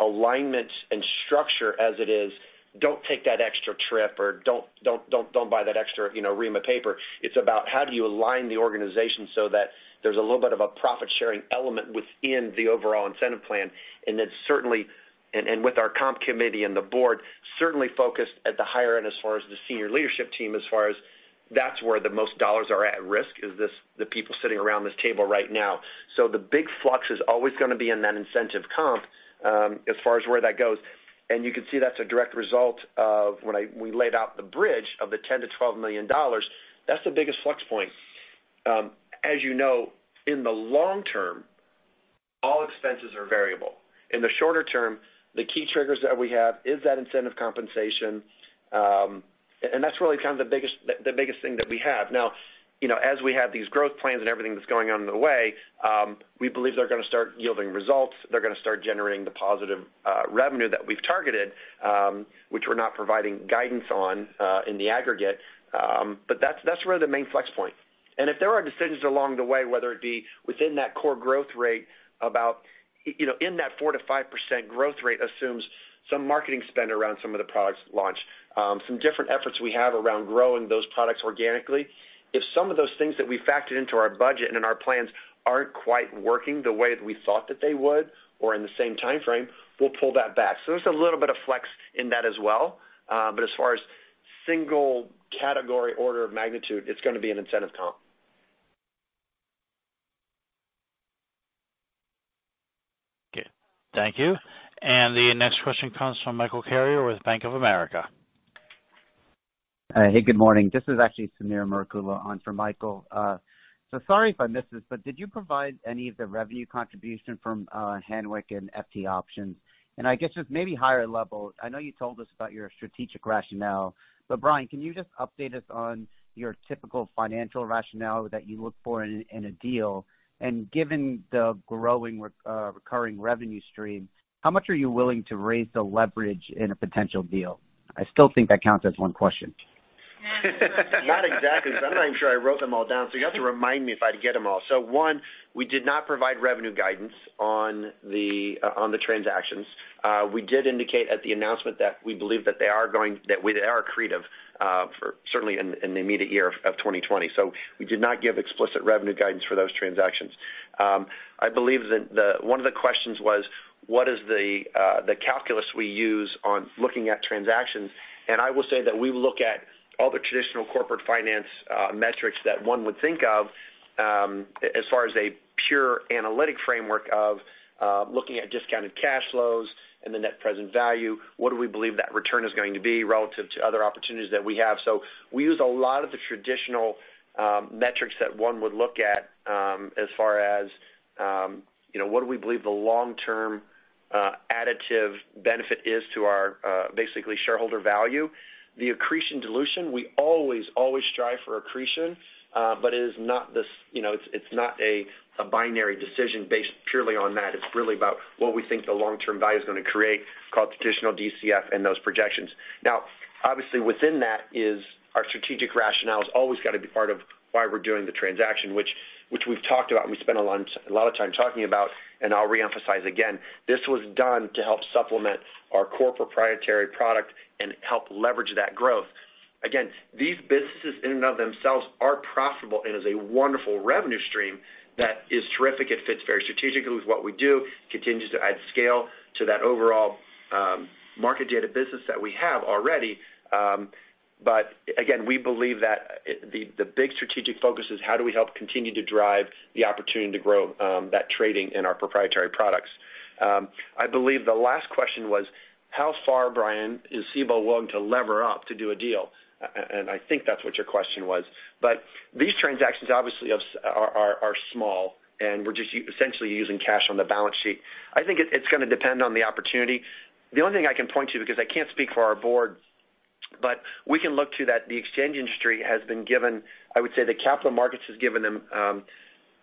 D: alignment and structure as it is, "Don't take that extra trip" or "Don't buy that extra ream of paper." It's about how do you align the organization so that there's a little bit of a profit-sharing element within the overall incentive plan. With our comp committee and the board, certainly focused at the higher end as far as the senior leadership team as far as that's where the most dollars are at risk, is the people sitting around this table right now. The big flux is always going to be in that incentive comp as far as where that goes. You can see that's a direct result of when we laid out the bridge of the $10 million-$12 million. That's the biggest flux point. You know, in the long term, all expenses are variable. In the shorter term, the key triggers that we have is that incentive compensation and that's really kind of the biggest thing that we have. As we have these growth plans and everything that's going on in the way, we believe they're going to start yielding results. They're going to start generating the positive revenue that we've targeted which we're not providing guidance on in the aggregate. That's really the main flex point. If there are decisions along the way, whether it be within that core growth rate, in that 4%-5% growth rate assumes some marketing spend around some of the products launch. Some different efforts we have around growing those products organically. If some of those things that we factored into our budget and in our plans aren't quite working the way that we thought that they would or in the same timeframe, we'll pull that back. There's a little bit of flex in that as well. As far as single category order of magnitude, it's going to be an incentive comp.
A: Okay. Thank you. The next question comes from Michael Carrier with Bank of America.
J: Hey, good morning. This is Sameer Murukutla on for Michael. Sorry if I missed this, but did you provide any of the revenue contribution from Hanweck and FT Options? I guess just maybe higher level, I know you told us about your strategic rationale, but Brian, can you just update us on your typical financial rationale that you look for in a deal, and given the growing recurring revenue stream, how much are you willing to raise the leverage in a potential deal? I still think that counts as one question.
D: Not exactly, because I'm not even sure I wrote them all down, you'll have to remind me if I get them all. One, we did not provide revenue guidance on the transactions. We did indicate at the announcement that we believe that they are accretive, certainly in the immediate year of 2020. We did not give explicit revenue guidance for those transactions. I believe that one of the questions was what is the calculus we use on looking at transactions, and I will say that we look at all the traditional corporate finance metrics that one would think of, as far as a pure analytic framework of looking at discounted cash flows and the net present value. What do we believe that return is going to be relative to other opportunities that we have? We use a lot of the traditional metrics that one would look at as far as what do we believe the long-term additive benefit is to our, basically, shareholder value. The accretion dilution, we always strive for accretion, but it's not a binary decision based purely on that. It's really about what we think the long-term value is going to create called traditional DCF and those projections. Obviously, within that is our strategic rationale has always got to be part of why we're doing the transaction, which we've talked about, and we spent a lot of time talking about, and I'll re-emphasize again. This was done to help supplement our core proprietary product and help leverage that growth. These businesses in and of themselves are profitable and is a wonderful revenue stream that is terrific. It fits very strategically with what we do, continues to add scale to that overall market data business that we have already. Again, we believe that the big strategic focus is how do we help continue to drive the opportunity to grow that trading in our proprietary products. I believe the last question was, how far, Brian, is Cboe willing to lever up to do a deal? I think that's what your question was. These transactions obviously are small, and we're just essentially using cash on the balance sheet. I think it's going to depend on the opportunity. The only thing I can point to, because I can't speak for our board, but we can look to that the exchange industry has been given-- I would say the capital markets has given them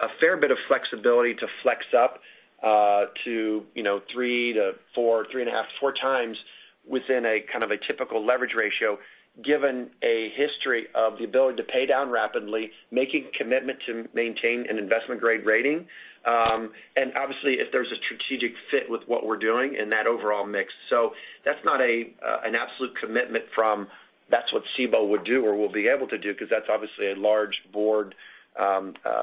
D: a fair bit of flexibility to flex up to 3.5x to 4x within a kind of a typical leverage ratio, given a history of the ability to pay down rapidly, making commitment to maintain an investment-grade rating. Obviously, if there's a strategic fit with what we're doing in that overall mix. That's not an absolute commitment from that's what Cboe would do or will be able to do, because that's obviously a large board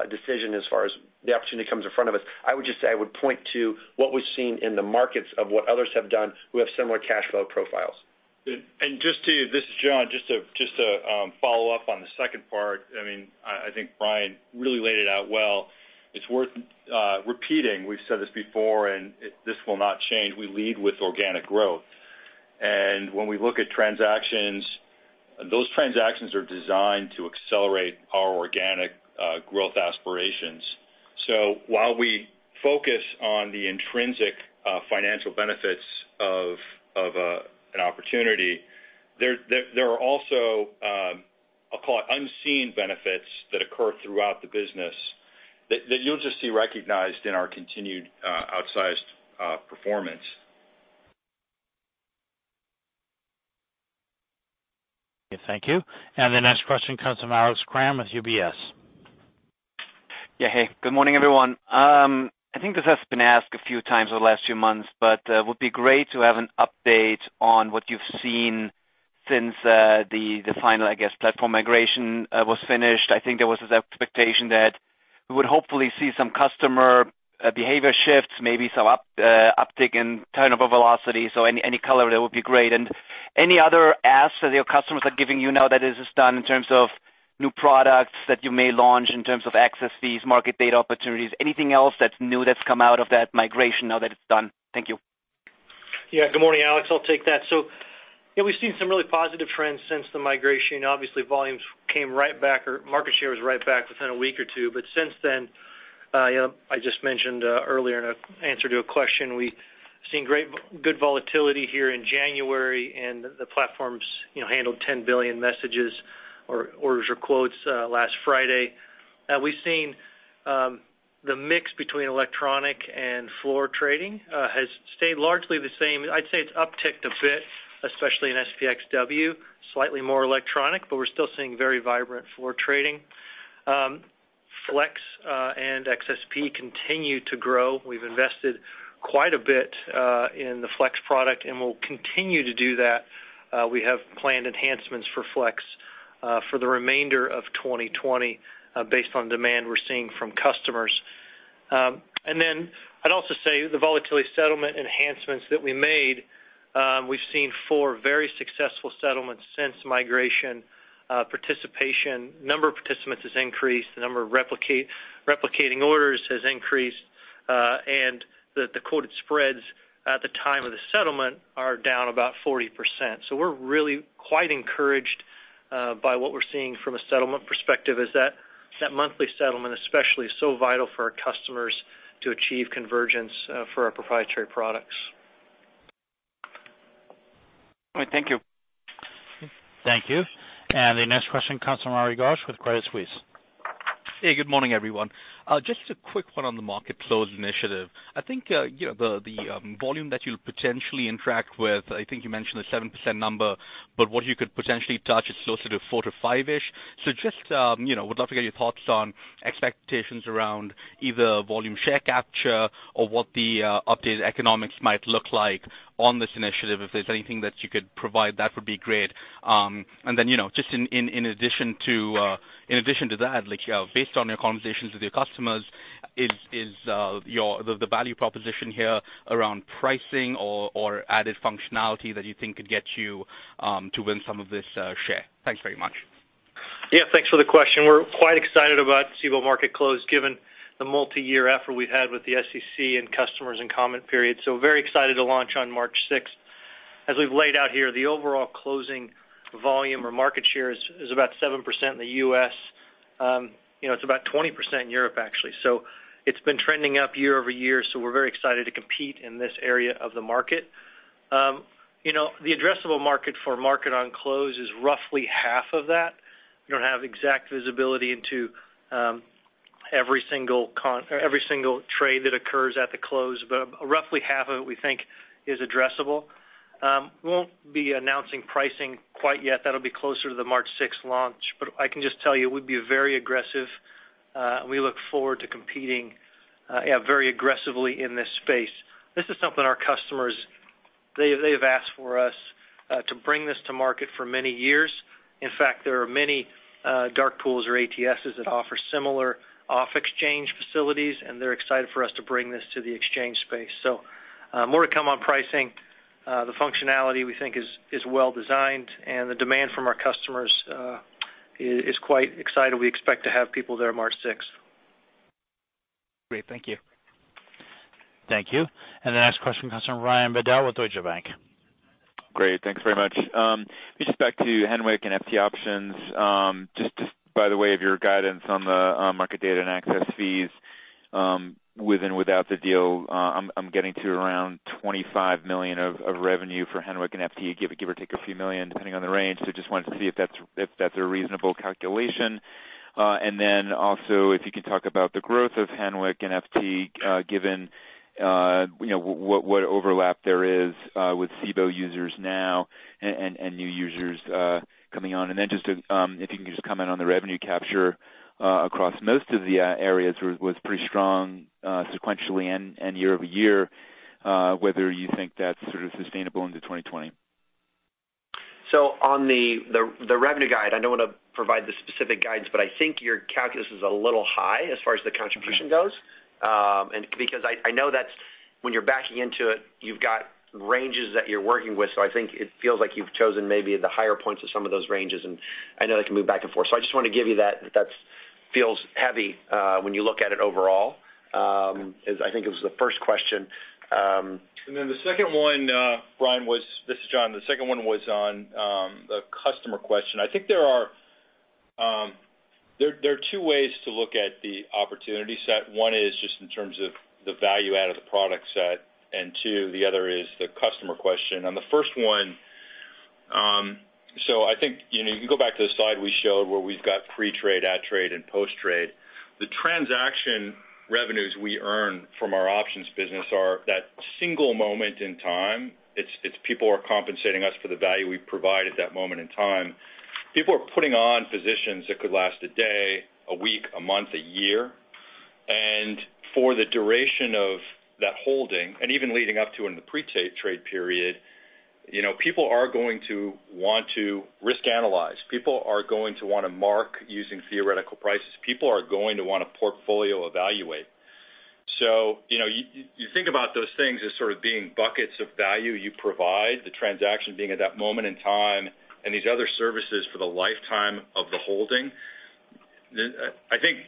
D: decision as far as the opportunity comes in front of us. I would just say, I would point to what we've seen in the markets of what others have done who have similar cash flow profiles.
H: This is John, just to follow up on the second part. I think Brian really laid it out well. It's worth repeating. We've said this before, and this will not change. We lead with organic growth. When we look at transactions, those transactions are designed to accelerate our organic growth aspirations. While we focus on the intrinsic financial benefits of an opportunity, there are also, I'll call it unseen benefits that occur throughout the business that you'll just see recognized in our continued outsized performance.
A: Thank you. The next question comes from Alex Kramm with UBS.
K: Yeah. Hey, good morning, everyone. I think this has been asked a few times over the last few months, but it would be great to have an update on what you've seen since the final, I guess, platform migration was finished. I think there was this expectation that we would hopefully see some customer behavior shifts, maybe some uptick in turnover velocity. Any color there would be great. Any other asks that your customers are giving you now that this is done in terms of new products that you may launch, in terms of access fees, market data opportunities, anything else that's new that's come out of that migration now that it's done? Thank you.
F: Good morning, Alex. I'll take that. We've seen some really positive trends since the migration. Obviously, volumes came right back or market share was right back within a week or two. Since then, I just mentioned earlier in an answer to a question, we've seen good volatility here in January, and the platforms handled 10 billion messages or orders or quotes last Friday. We've seen the mix between electronic and floor trading has stayed largely the same. I'd say it's upticked a bit, especially in SPXW, slightly more electronic, but we're still seeing very vibrant floor trading. FLEX and XSP continue to grow. We've invested quite a bit in the FLEX product. We'll continue to do that. We have planned enhancements for FLEX for the remainder of 2020 based on demand we're seeing from customers. I'd also say the volatility settlement enhancements that we made, we've seen four very successful settlements since migration. Participation, number of participants has increased, the number of replicating orders has increased, and the quoted spreads at the time of the settlement are down about 40%. We're really quite encouraged by what we're seeing from a settlement perspective is that monthly settlement, especially so vital for our customers to achieve convergence for our proprietary products.
J: All right. Thank you.
A: Thank you. The next question comes from Arinash Ghosh with Credit Suisse.
L: Hey, good morning, everyone. Just a quick one on the Market Close initiative. I think the volume that you'll potentially interact with, I think you mentioned a 7% number, but what you could potentially touch is closer to four to five-ish. Just would love to get your thoughts on expectations around either volume share capture or what the updated economics might look like on this initiative. If there's anything that you could provide, that would be great. Just in addition to that, based on your conversations with your customers, is the value proposition here around pricing or added functionality that you think could get you to win some of this share? Thanks very much.
F: Yeah. Thanks for the question. We're quite excited about Cboe Market Close, given the multi-year effort we've had with the SEC and customers and comment period. Very excited to launch on March 6th. As we've laid out here, the overall closing volume or market share is about 7% in the U.S. It's about 20% in Europe, actually. It's been trending up year-over-year, so we're very excited to compete in this area of the market. The addressable market for Market-On-Close is roughly half of that. We don't have exact visibility into every single trade that occurs at the close, but roughly half of it we think is addressable. We won't be announcing pricing quite yet. That'll be closer to the March 6th launch. I can just tell you, we'd be very aggressive. We look forward to competing very aggressively in this space. This is something our customers, they've asked for us to bring this to market for many years. In fact, there are many dark pools or ATSs that offer similar off-exchange facilities, and they're excited for us to bring this to the exchange space. More to come on pricing. The functionality we think is well-designed, and the demand from our customers is quite excited. We expect to have people there March 6th.
L: Great. Thank you.
A: Thank you. The next question comes from Brian Bedell with Deutsche Bank.
M: Great. Thanks very much. Just back to Hanweck and FT Options. Just by the way of your guidance on the market data and access fees, with and without the deal, I'm getting to around $25 million of revenue for Hanweck and FT, give or take a few million, depending on the range. Just wanted to see if that's a reasonable calculation. Then also, if you could talk about the growth of Hanweck and FT, given what overlap there is with Cboe users now and new users coming on. Then just if you could just comment on the revenue capture across most of the areas was pretty strong sequentially and year-over-year, whether you think that's sort of sustainable into 2020.
H: On the revenue guide, I don't want to provide the specific guidance, but I think your calculus is a little high as far as the contribution goes. I know that when you're backing into it, you've got ranges that you're working with. I think it feels like you've chosen maybe the higher points of some of those ranges, and I know they can move back and forth. I just want to give you that feels heavy when you look at it overall. I think it was the first question. The second one, Brian, this is John. The second one was on the customer question. I think there are two ways to look at the opportunity set. One is just in terms of the value add of the product set, and two, the other is the customer question. On the first one, I think you can go back to the slide we showed where we've got pre-trade, at trade, and post-trade. The transaction revenues we earn from our options business are that single moment in time. It's people are compensating us for the value we provide at that moment in time. People are putting on positions that could last a day, a week, a month, a year. For the duration of that holding, and even leading up to in the pre-trade period, people are going to want to risk analyze. People are going to want to mark using theoretical prices. People are going to want to portfolio evaluate. You think about those things as sort of being buckets of value you provide, the transaction being at that moment in time, and these other services for the lifetime of the holding. I think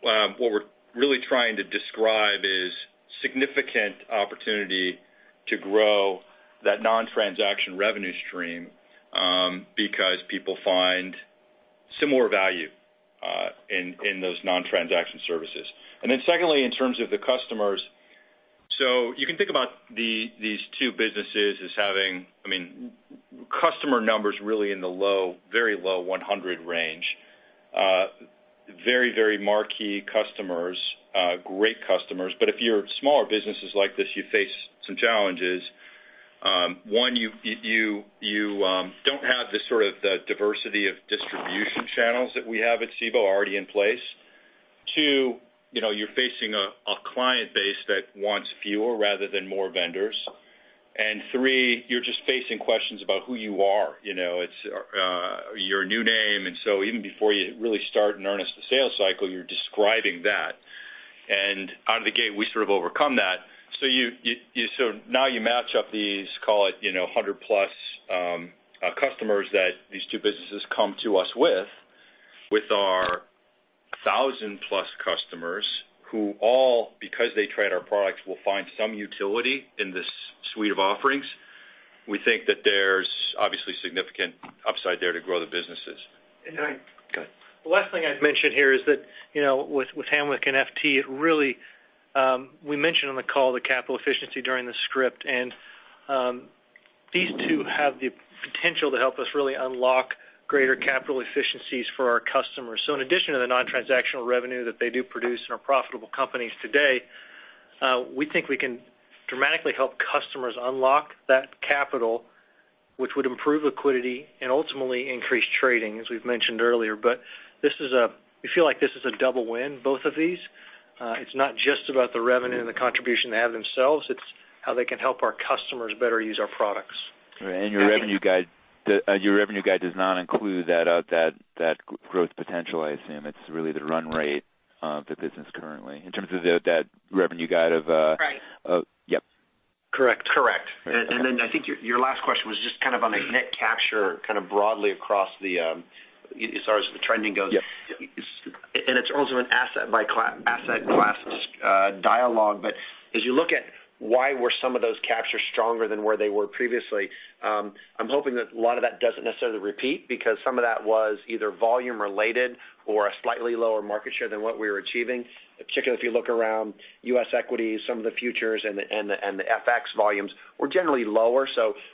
H: what we're really trying to describe is significant opportunity to grow that non-transaction revenue stream because people find similar value in those non-transaction services. Secondly, in terms of the customers, you can think about these two businesses as having, I mean. Customer numbers really in the very low 100 range. Very marquee customers, great customers. If you're smaller businesses like this, you face some challenges. One, you don't have the sort of diversity of distribution channels that we have at Cboe already in place. Two, you're facing a client base that wants fewer rather than more vendors. Three, you're just facing questions about who you are. You're a new name. Even before you really start in earnest the sales cycle, you're describing that. Out of the gate, we sort of overcome that. Now you match up these, call it, 100+ customers that these two businesses come to us with our 1,000+ customers who all, because they trade our products, will find some utility in this suite of offerings. We think that there's obviously significant upside there to grow the businesses.
F: And then.
H: Go ahead.
F: The last thing I'd mention here is that, with Hanweck and FT, we mentioned on the call the capital efficiency during the script, and these two have the potential to help us really unlock greater capital efficiencies for our customers. In addition to the non-transactional revenue that they do produce and are profitable companies today, we think we can dramatically help customers unlock that capital, which would improve liquidity and ultimately increase trading, as we've mentioned earlier. We feel like this is a double win, both of these. It's not just about the revenue and the contribution they have themselves, it's how they can help our customers better use our products.
H: Your revenue guide does not include that growth potential, I assume. It's really the run rate of the business currently, in terms of that revenue guide.
B: Right.
H: Yep.
F: Correct.
D: I think your last question was just kind of on a net capture, kind of broadly across as far as the trending goes.
M: Yeah.
D: It's also an asset by asset class dialogue. As you look at why were some of those captures stronger than where they were previously, I'm hoping that a lot of that doesn't necessarily repeat because some of that was either volume related or a slightly lower market share than what we were achieving. Particularly if you look around U.S. equities, some of the futures and the FX volumes were generally lower.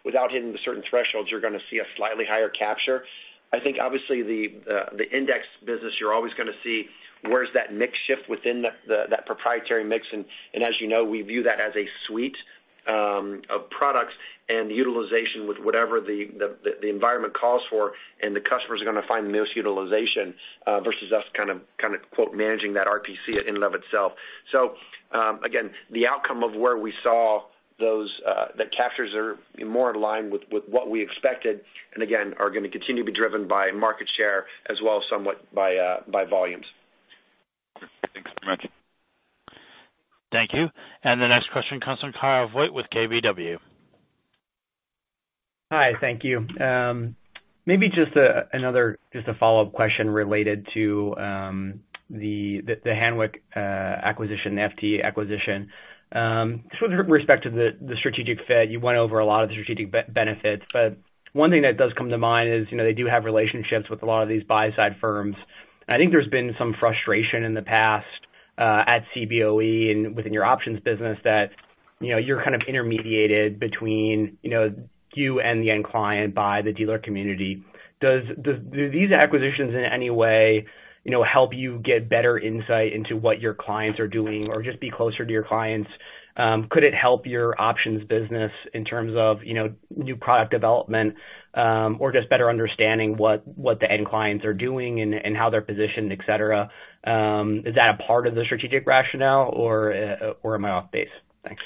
D: Without hitting the certain thresholds, you're going to see a slightly higher capture. I think obviously the index business, you're always going to see where's that mix shift within that proprietary mix. As you know, we view that as a suite of products and the utilization with whatever the environment calls for, and the customers are going to find the most utilization versus us kind of quote, "managing that RPC" in and of itself. Again, the outcome of where we saw the captures are more in line with what we expected, and again, are going to continue to be driven by market share as well, somewhat by volumes.
M: Thanks very much.
A: Thank you. The next question comes from Kyle Voigt with KBW.
N: Hi, thank you. Maybe just a follow-up question related to the Hanweck acquisition, the FT acquisition. Sort of with respect to the strategic fit, you went over a lot of the strategic benefits, but one thing that does come to mind is they do have relationships with a lot of these buy-side firms. I think there's been some frustration in the past at Cboe and within your options business that you're kind of intermediated between you and the end client by the dealer community. Do these acquisitions, in any way, help you get better insight into what your clients are doing or just be closer to your clients? Could it help your options business in terms of new product development? Just better understanding what the end clients are doing and how they're positioned, etc? Is that a part of the strategic rationale, or am I off base? Thanks.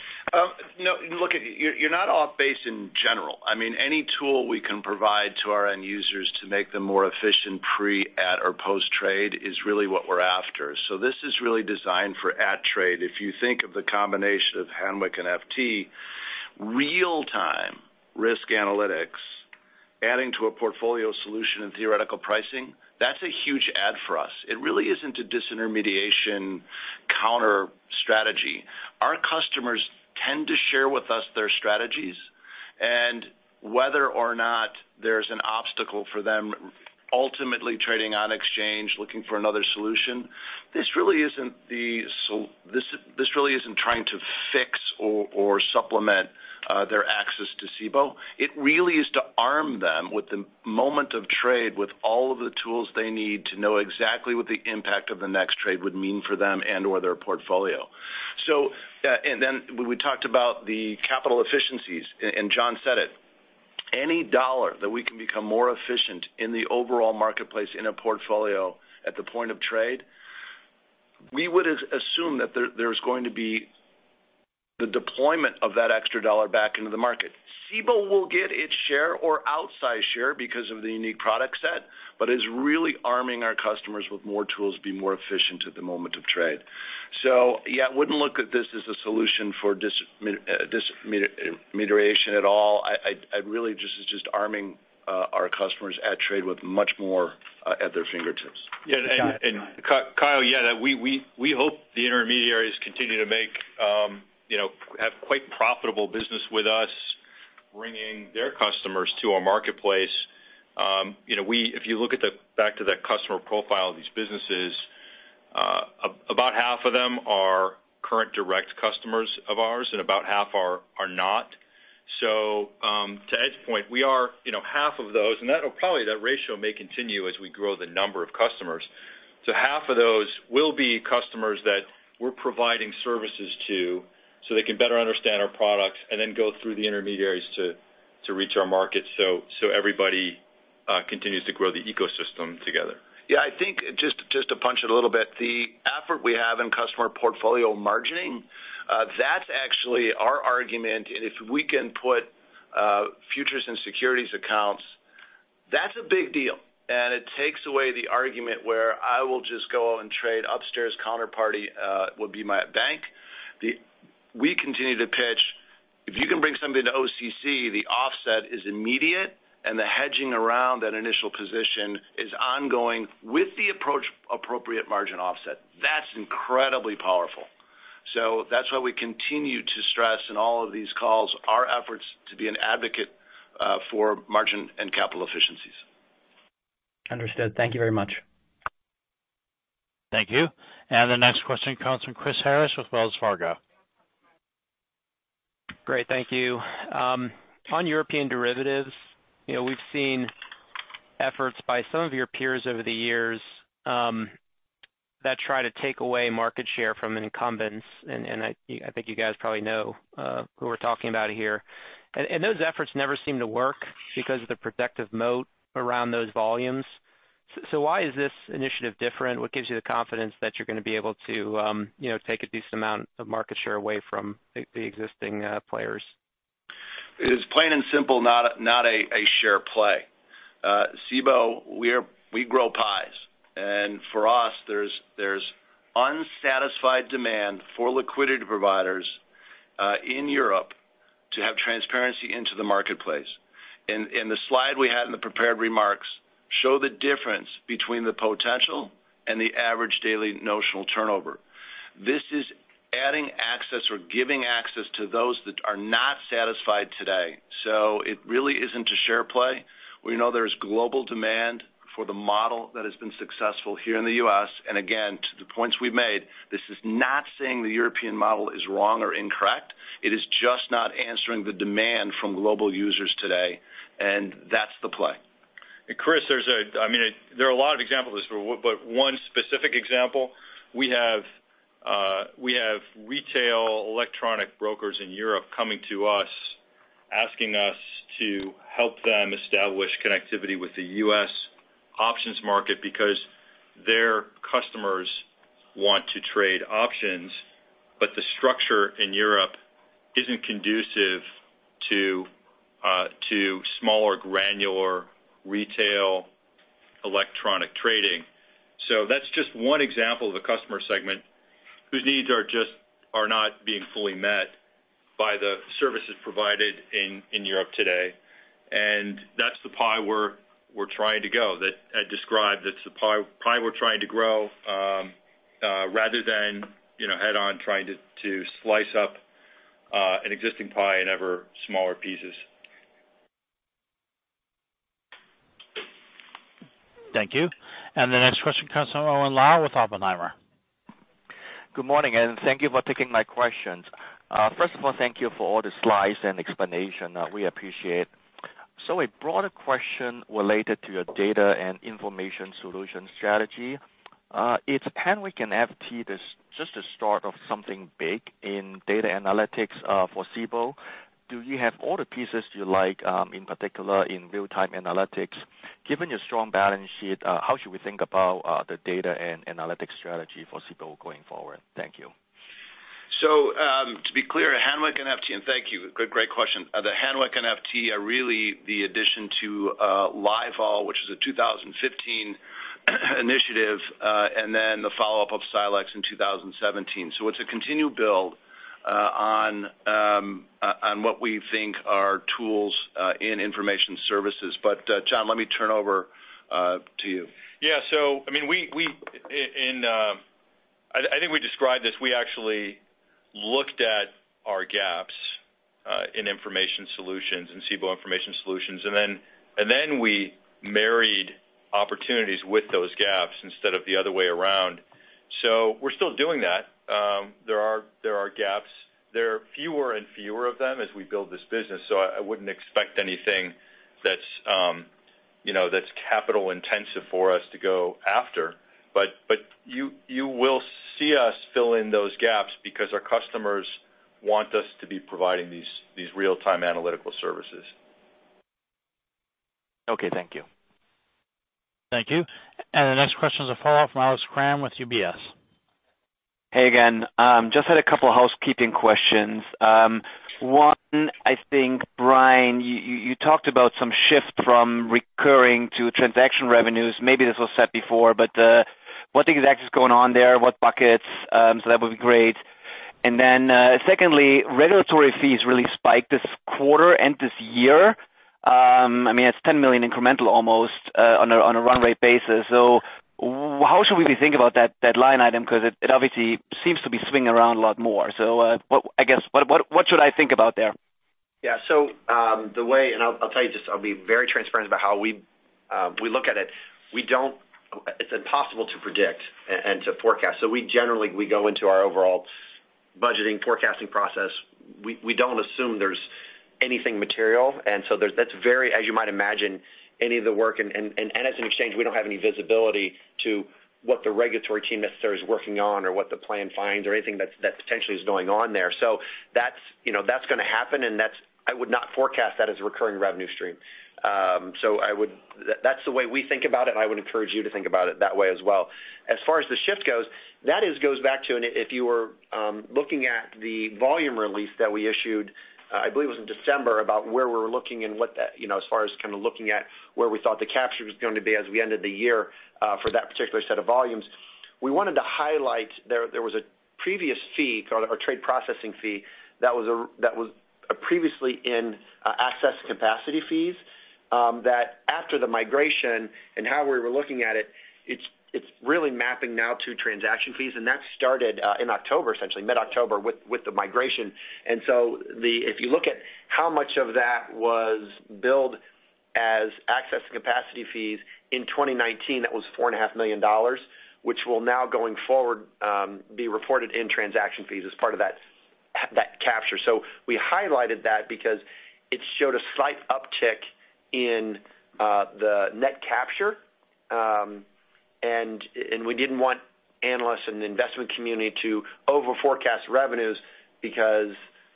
C: Look, you're not off base in general. Any tool we can provide to our end users to make them more efficient pre, at, or post-trade is really what we're after. This is really designed for at trade. If you think of the combination of Hanweck and FT Options, real-time risk analytics, adding to a portfolio solution and theoretical pricing, that's a huge add for us. It really isn't a disintermediation counter-strategy. Our customers tend to share with us their strategies and whether or not there's an obstacle for them ultimately trading on exchange, looking for another solution. This really isn't trying to fix or supplement their access to Cboe. It really is to arm them with the moment of trade, with all of the tools they need to know exactly what the impact of the next trade would mean for them and/or their portfolio. Then we talked about the capital efficiencies, and John said it. Any dollar that we can become more efficient in the overall marketplace in a portfolio at the point of trade, we would assume that there's going to be the deployment of that extra dollar back into the market. Cboe will get its share or outsize share because of the unique product set, but is really arming our customers with more tools to be more efficient at the moment of trade. Yeah, I wouldn't look at this as a solution for disintermediation at all. It really just is just arming our customers at trade with much more at their fingertips.
H: Yeah. Kyle, yeah. We hope the intermediaries continue to have quite profitable business with us, bringing their customers to our marketplace. If you look back to that customer profile of these businesses, about half of them are current direct customers of ours and about half are not. To Ed's point, we are half of those, and probably that ratio may continue as we grow the number of customers. Half of those will be customers that we're providing services to so they can better understand our products and then go through the intermediaries to reach our markets. Everybody continues to grow the ecosystem together. I think just to punch it a little bit, the effort we have in customer portfolio margining, that's actually our argument. If we can put futures and securities accounts, that's a big deal, and it takes away the argument where I will just go and trade upstairs counterparty will be my bank. We continue to pitch, if you can bring somebody to OCC, the offset is immediate, and the hedging around that initial position is ongoing with the appropriate margin offset. That's incredibly powerful. That's why we continue to stress in all of these calls our efforts to be an advocate for margin and capital efficiencies.
N: Understood. Thank you very much.
A: Thank you. The next question comes from Christopher Harris with Wells Fargo.
O: Great. Thank you. On European derivatives, we've seen efforts by some of your peers over the years that try to take away market share from incumbents, and I think you guys probably know who we're talking about here. Those efforts never seem to work because of the protective moat around those volumes. Why is this initiative different? What gives you the confidence that you're going to be able to take a decent amount of market share away from the existing players?
C: It is plain and simple, not a share play. Cboe, we grow pies. For us, there's unsatisfied demand for liquidity providers in Europe to have transparency into the marketplace. The slide we had in the prepared remarks show the difference between the potential and the average daily notional turnover. This is adding access or giving access to those that are not satisfied today. It really isn't a share play. We know there's global demand for the model that has been successful here in the U.S. Again, to the points we've made, this is not saying the European model is wrong or incorrect. It is just not answering the demand from global users today, and that's the play.
H: Chris, there are a lot of examples, but one specific example, we have retail electronic brokers in Europe coming to us, asking us to help them establish connectivity with the U.S. options market because their customers want to trade options, but the structure in Europe isn't conducive to smaller granular retail electronic trading. That's just one example of a customer segment whose needs are not being fully met by the services provided in Europe today. That's the pie we're trying to go that Ed described. That's the pie we're trying to grow rather than head-on trying to slice up an existing pie in ever smaller pieces.
A: Thank you. The next question comes from Owen Lau with Oppenheimer.
P: Good morning. Thank you for taking my questions. First of all, thank you for all the slides and explanation. We appreciate. A broader question related to your data and information solution strategy. Is Hanweck and FT just a start of something big in data analytics for Cboe? Do you have all the pieces you like, in particular in real-time analytics? Given your strong balance sheet, how should we think about the data and analytics strategy for Cboe going forward? Thank you.
C: To be clear, Hanweck and FT, and thank you. Great question. The Hanweck and FT are really the addition to Livevol, which is a 2015 initiative, and then the follow-up of Silexx in 2017. It's a continued build on what we think are tools in information services. John, let me turn over to you.
H: I think we described this. We actually looked at our gaps in Cboe Information Solutions, we married opportunities with those gaps instead of the other way around. We're still doing that. There are gaps. There are fewer and fewer of them as we build this business, I wouldn't expect anything that's capital-intensive for us to go after. You will see us fill in those gaps because our customers want us to be providing these real-time analytical services.
P: Okay. Thank you.
A: Thank you. The next question is a follow-up from Alex Kramm with UBS.
K: Hey, again. Just had a couple of housekeeping questions. One, I think, Brian, you talked about some shift from recurring to transaction revenues. Maybe this was said before, but what exactly is going on there? What buckets? That would be great. Secondly, regulatory fees really spiked this quarter and this year. It's $10 million incremental almost on a runway basis. How should we be thinking about that line item? Because it obviously seems to be swinging around a lot more. I guess, what should I think about there?
D: Yeah. I'll tell you this, I'll be very transparent about how we look at it. It's impossible to predict and to forecast. Generally, we go into our overall budgeting forecasting process. We don't assume there's anything material. That's very, as you might imagine, any of the work, and as an exchange, we don't have any visibility to what the regulatory team necessarily is working on or what the plan finds or anything that potentially is going on there. That's going to happen, and I would not forecast that as a recurring revenue stream. That's the way we think about it, and I would encourage you to think about it that way as well. As far as the shift goes, that just goes back to, and if you were looking at the volume release that we issued, I believe it was in December, about where we were looking and as far as kind of looking at where we thought the capture was going to be as we ended the year for that particular set of volumes. We wanted to highlight there was a previous fee, or trade processing fee, that was previously in access capacity fees, that after the migration and how we were looking at it's really mapping now to transaction fees. That started in October, essentially mid-October, with the migration. If you look at how much of that was billed as access and capacity fees in 2019, that was $4.5 million, which will now, going forward, be reported in transaction fees as part of that capture. We highlighted that because it showed a slight uptick in the net capture, and we didn't want analysts and the investment community to over forecast revenues because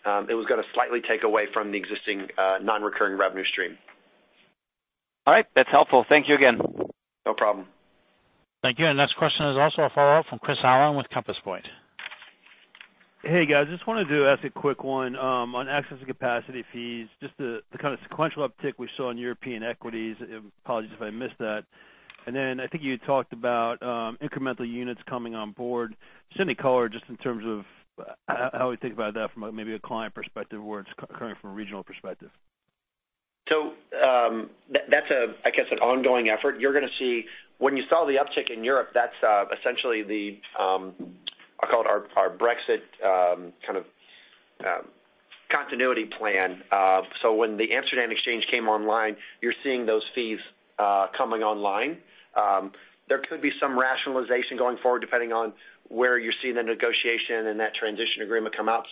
D: it was going to slightly take away from the existing non-recurring revenue stream.
K: All right. That's helpful. Thank you again.
D: No problem.
A: Thank you. Next question is also a follow-up from Chris Allen with Compass Point.
I: Hey, guys. Just wanted to ask a quick one on access and capacity fees, just the kind of sequential uptick we saw in European equities. Apologies if I missed that. Then I think you had talked about incremental units coming on board. Just any color just in terms of how we think about that from maybe a client perspective, where it's occurring from a regional perspective.
D: That's, I guess, an ongoing effort. When you saw the uptick in Europe, that's essentially the, I'll call it our Brexit kind of continuity plan. When the Amsterdam exchange came online, you're seeing those fees coming online. There could be some rationalization going forward, depending on where you see the negotiation and that transition agreement come out.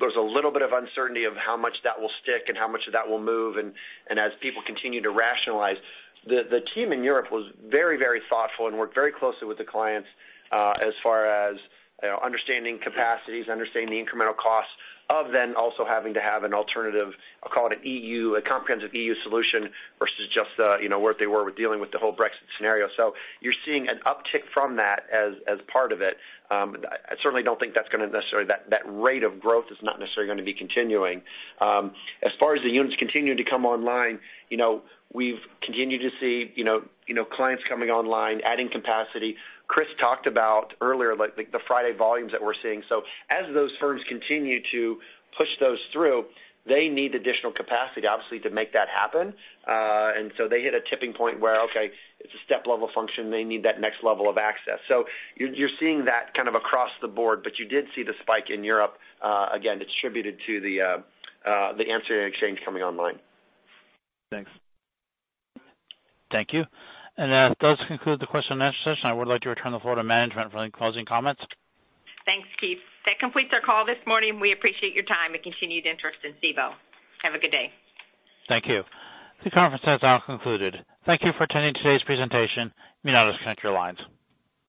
D: There's a little bit of uncertainty of how much that will stick and how much of that will move, and as people continue to rationalize. The team in Europe was very thoughtful and worked very closely with the clients as far as understanding capacities, understanding the incremental costs of then also having to have an alternative, I'll call it a comprehensive EU solution versus just where they were with dealing with the whole Brexit scenario. You're seeing an uptick from that as part of it. I certainly don't think that rate of growth is not necessarily going to be continuing. As far as the units continuing to come online, we've continued to see clients coming online, adding capacity. Chris talked about earlier, the Friday volumes that we're seeing. As those firms continue to push those through, they need additional capacity, obviously, to make that happen. They hit a tipping point where, okay, it's a step level function. They need that next level of access. You're seeing that kind of across the board, but you did see the spike in Europe, again, attributed to the Amsterdam exchange coming online.
I: Thanks.
A: Thank you. That does conclude the question and answer session. I would like to return the floor to management for any closing comments.
B: Thanks, Keith. That completes our call this morning. We appreciate your time and continued interest in Cboe. Have a good day.
A: Thank you. This conference has now concluded. Thank you for attending today's presentation. You may now disconnect your lines.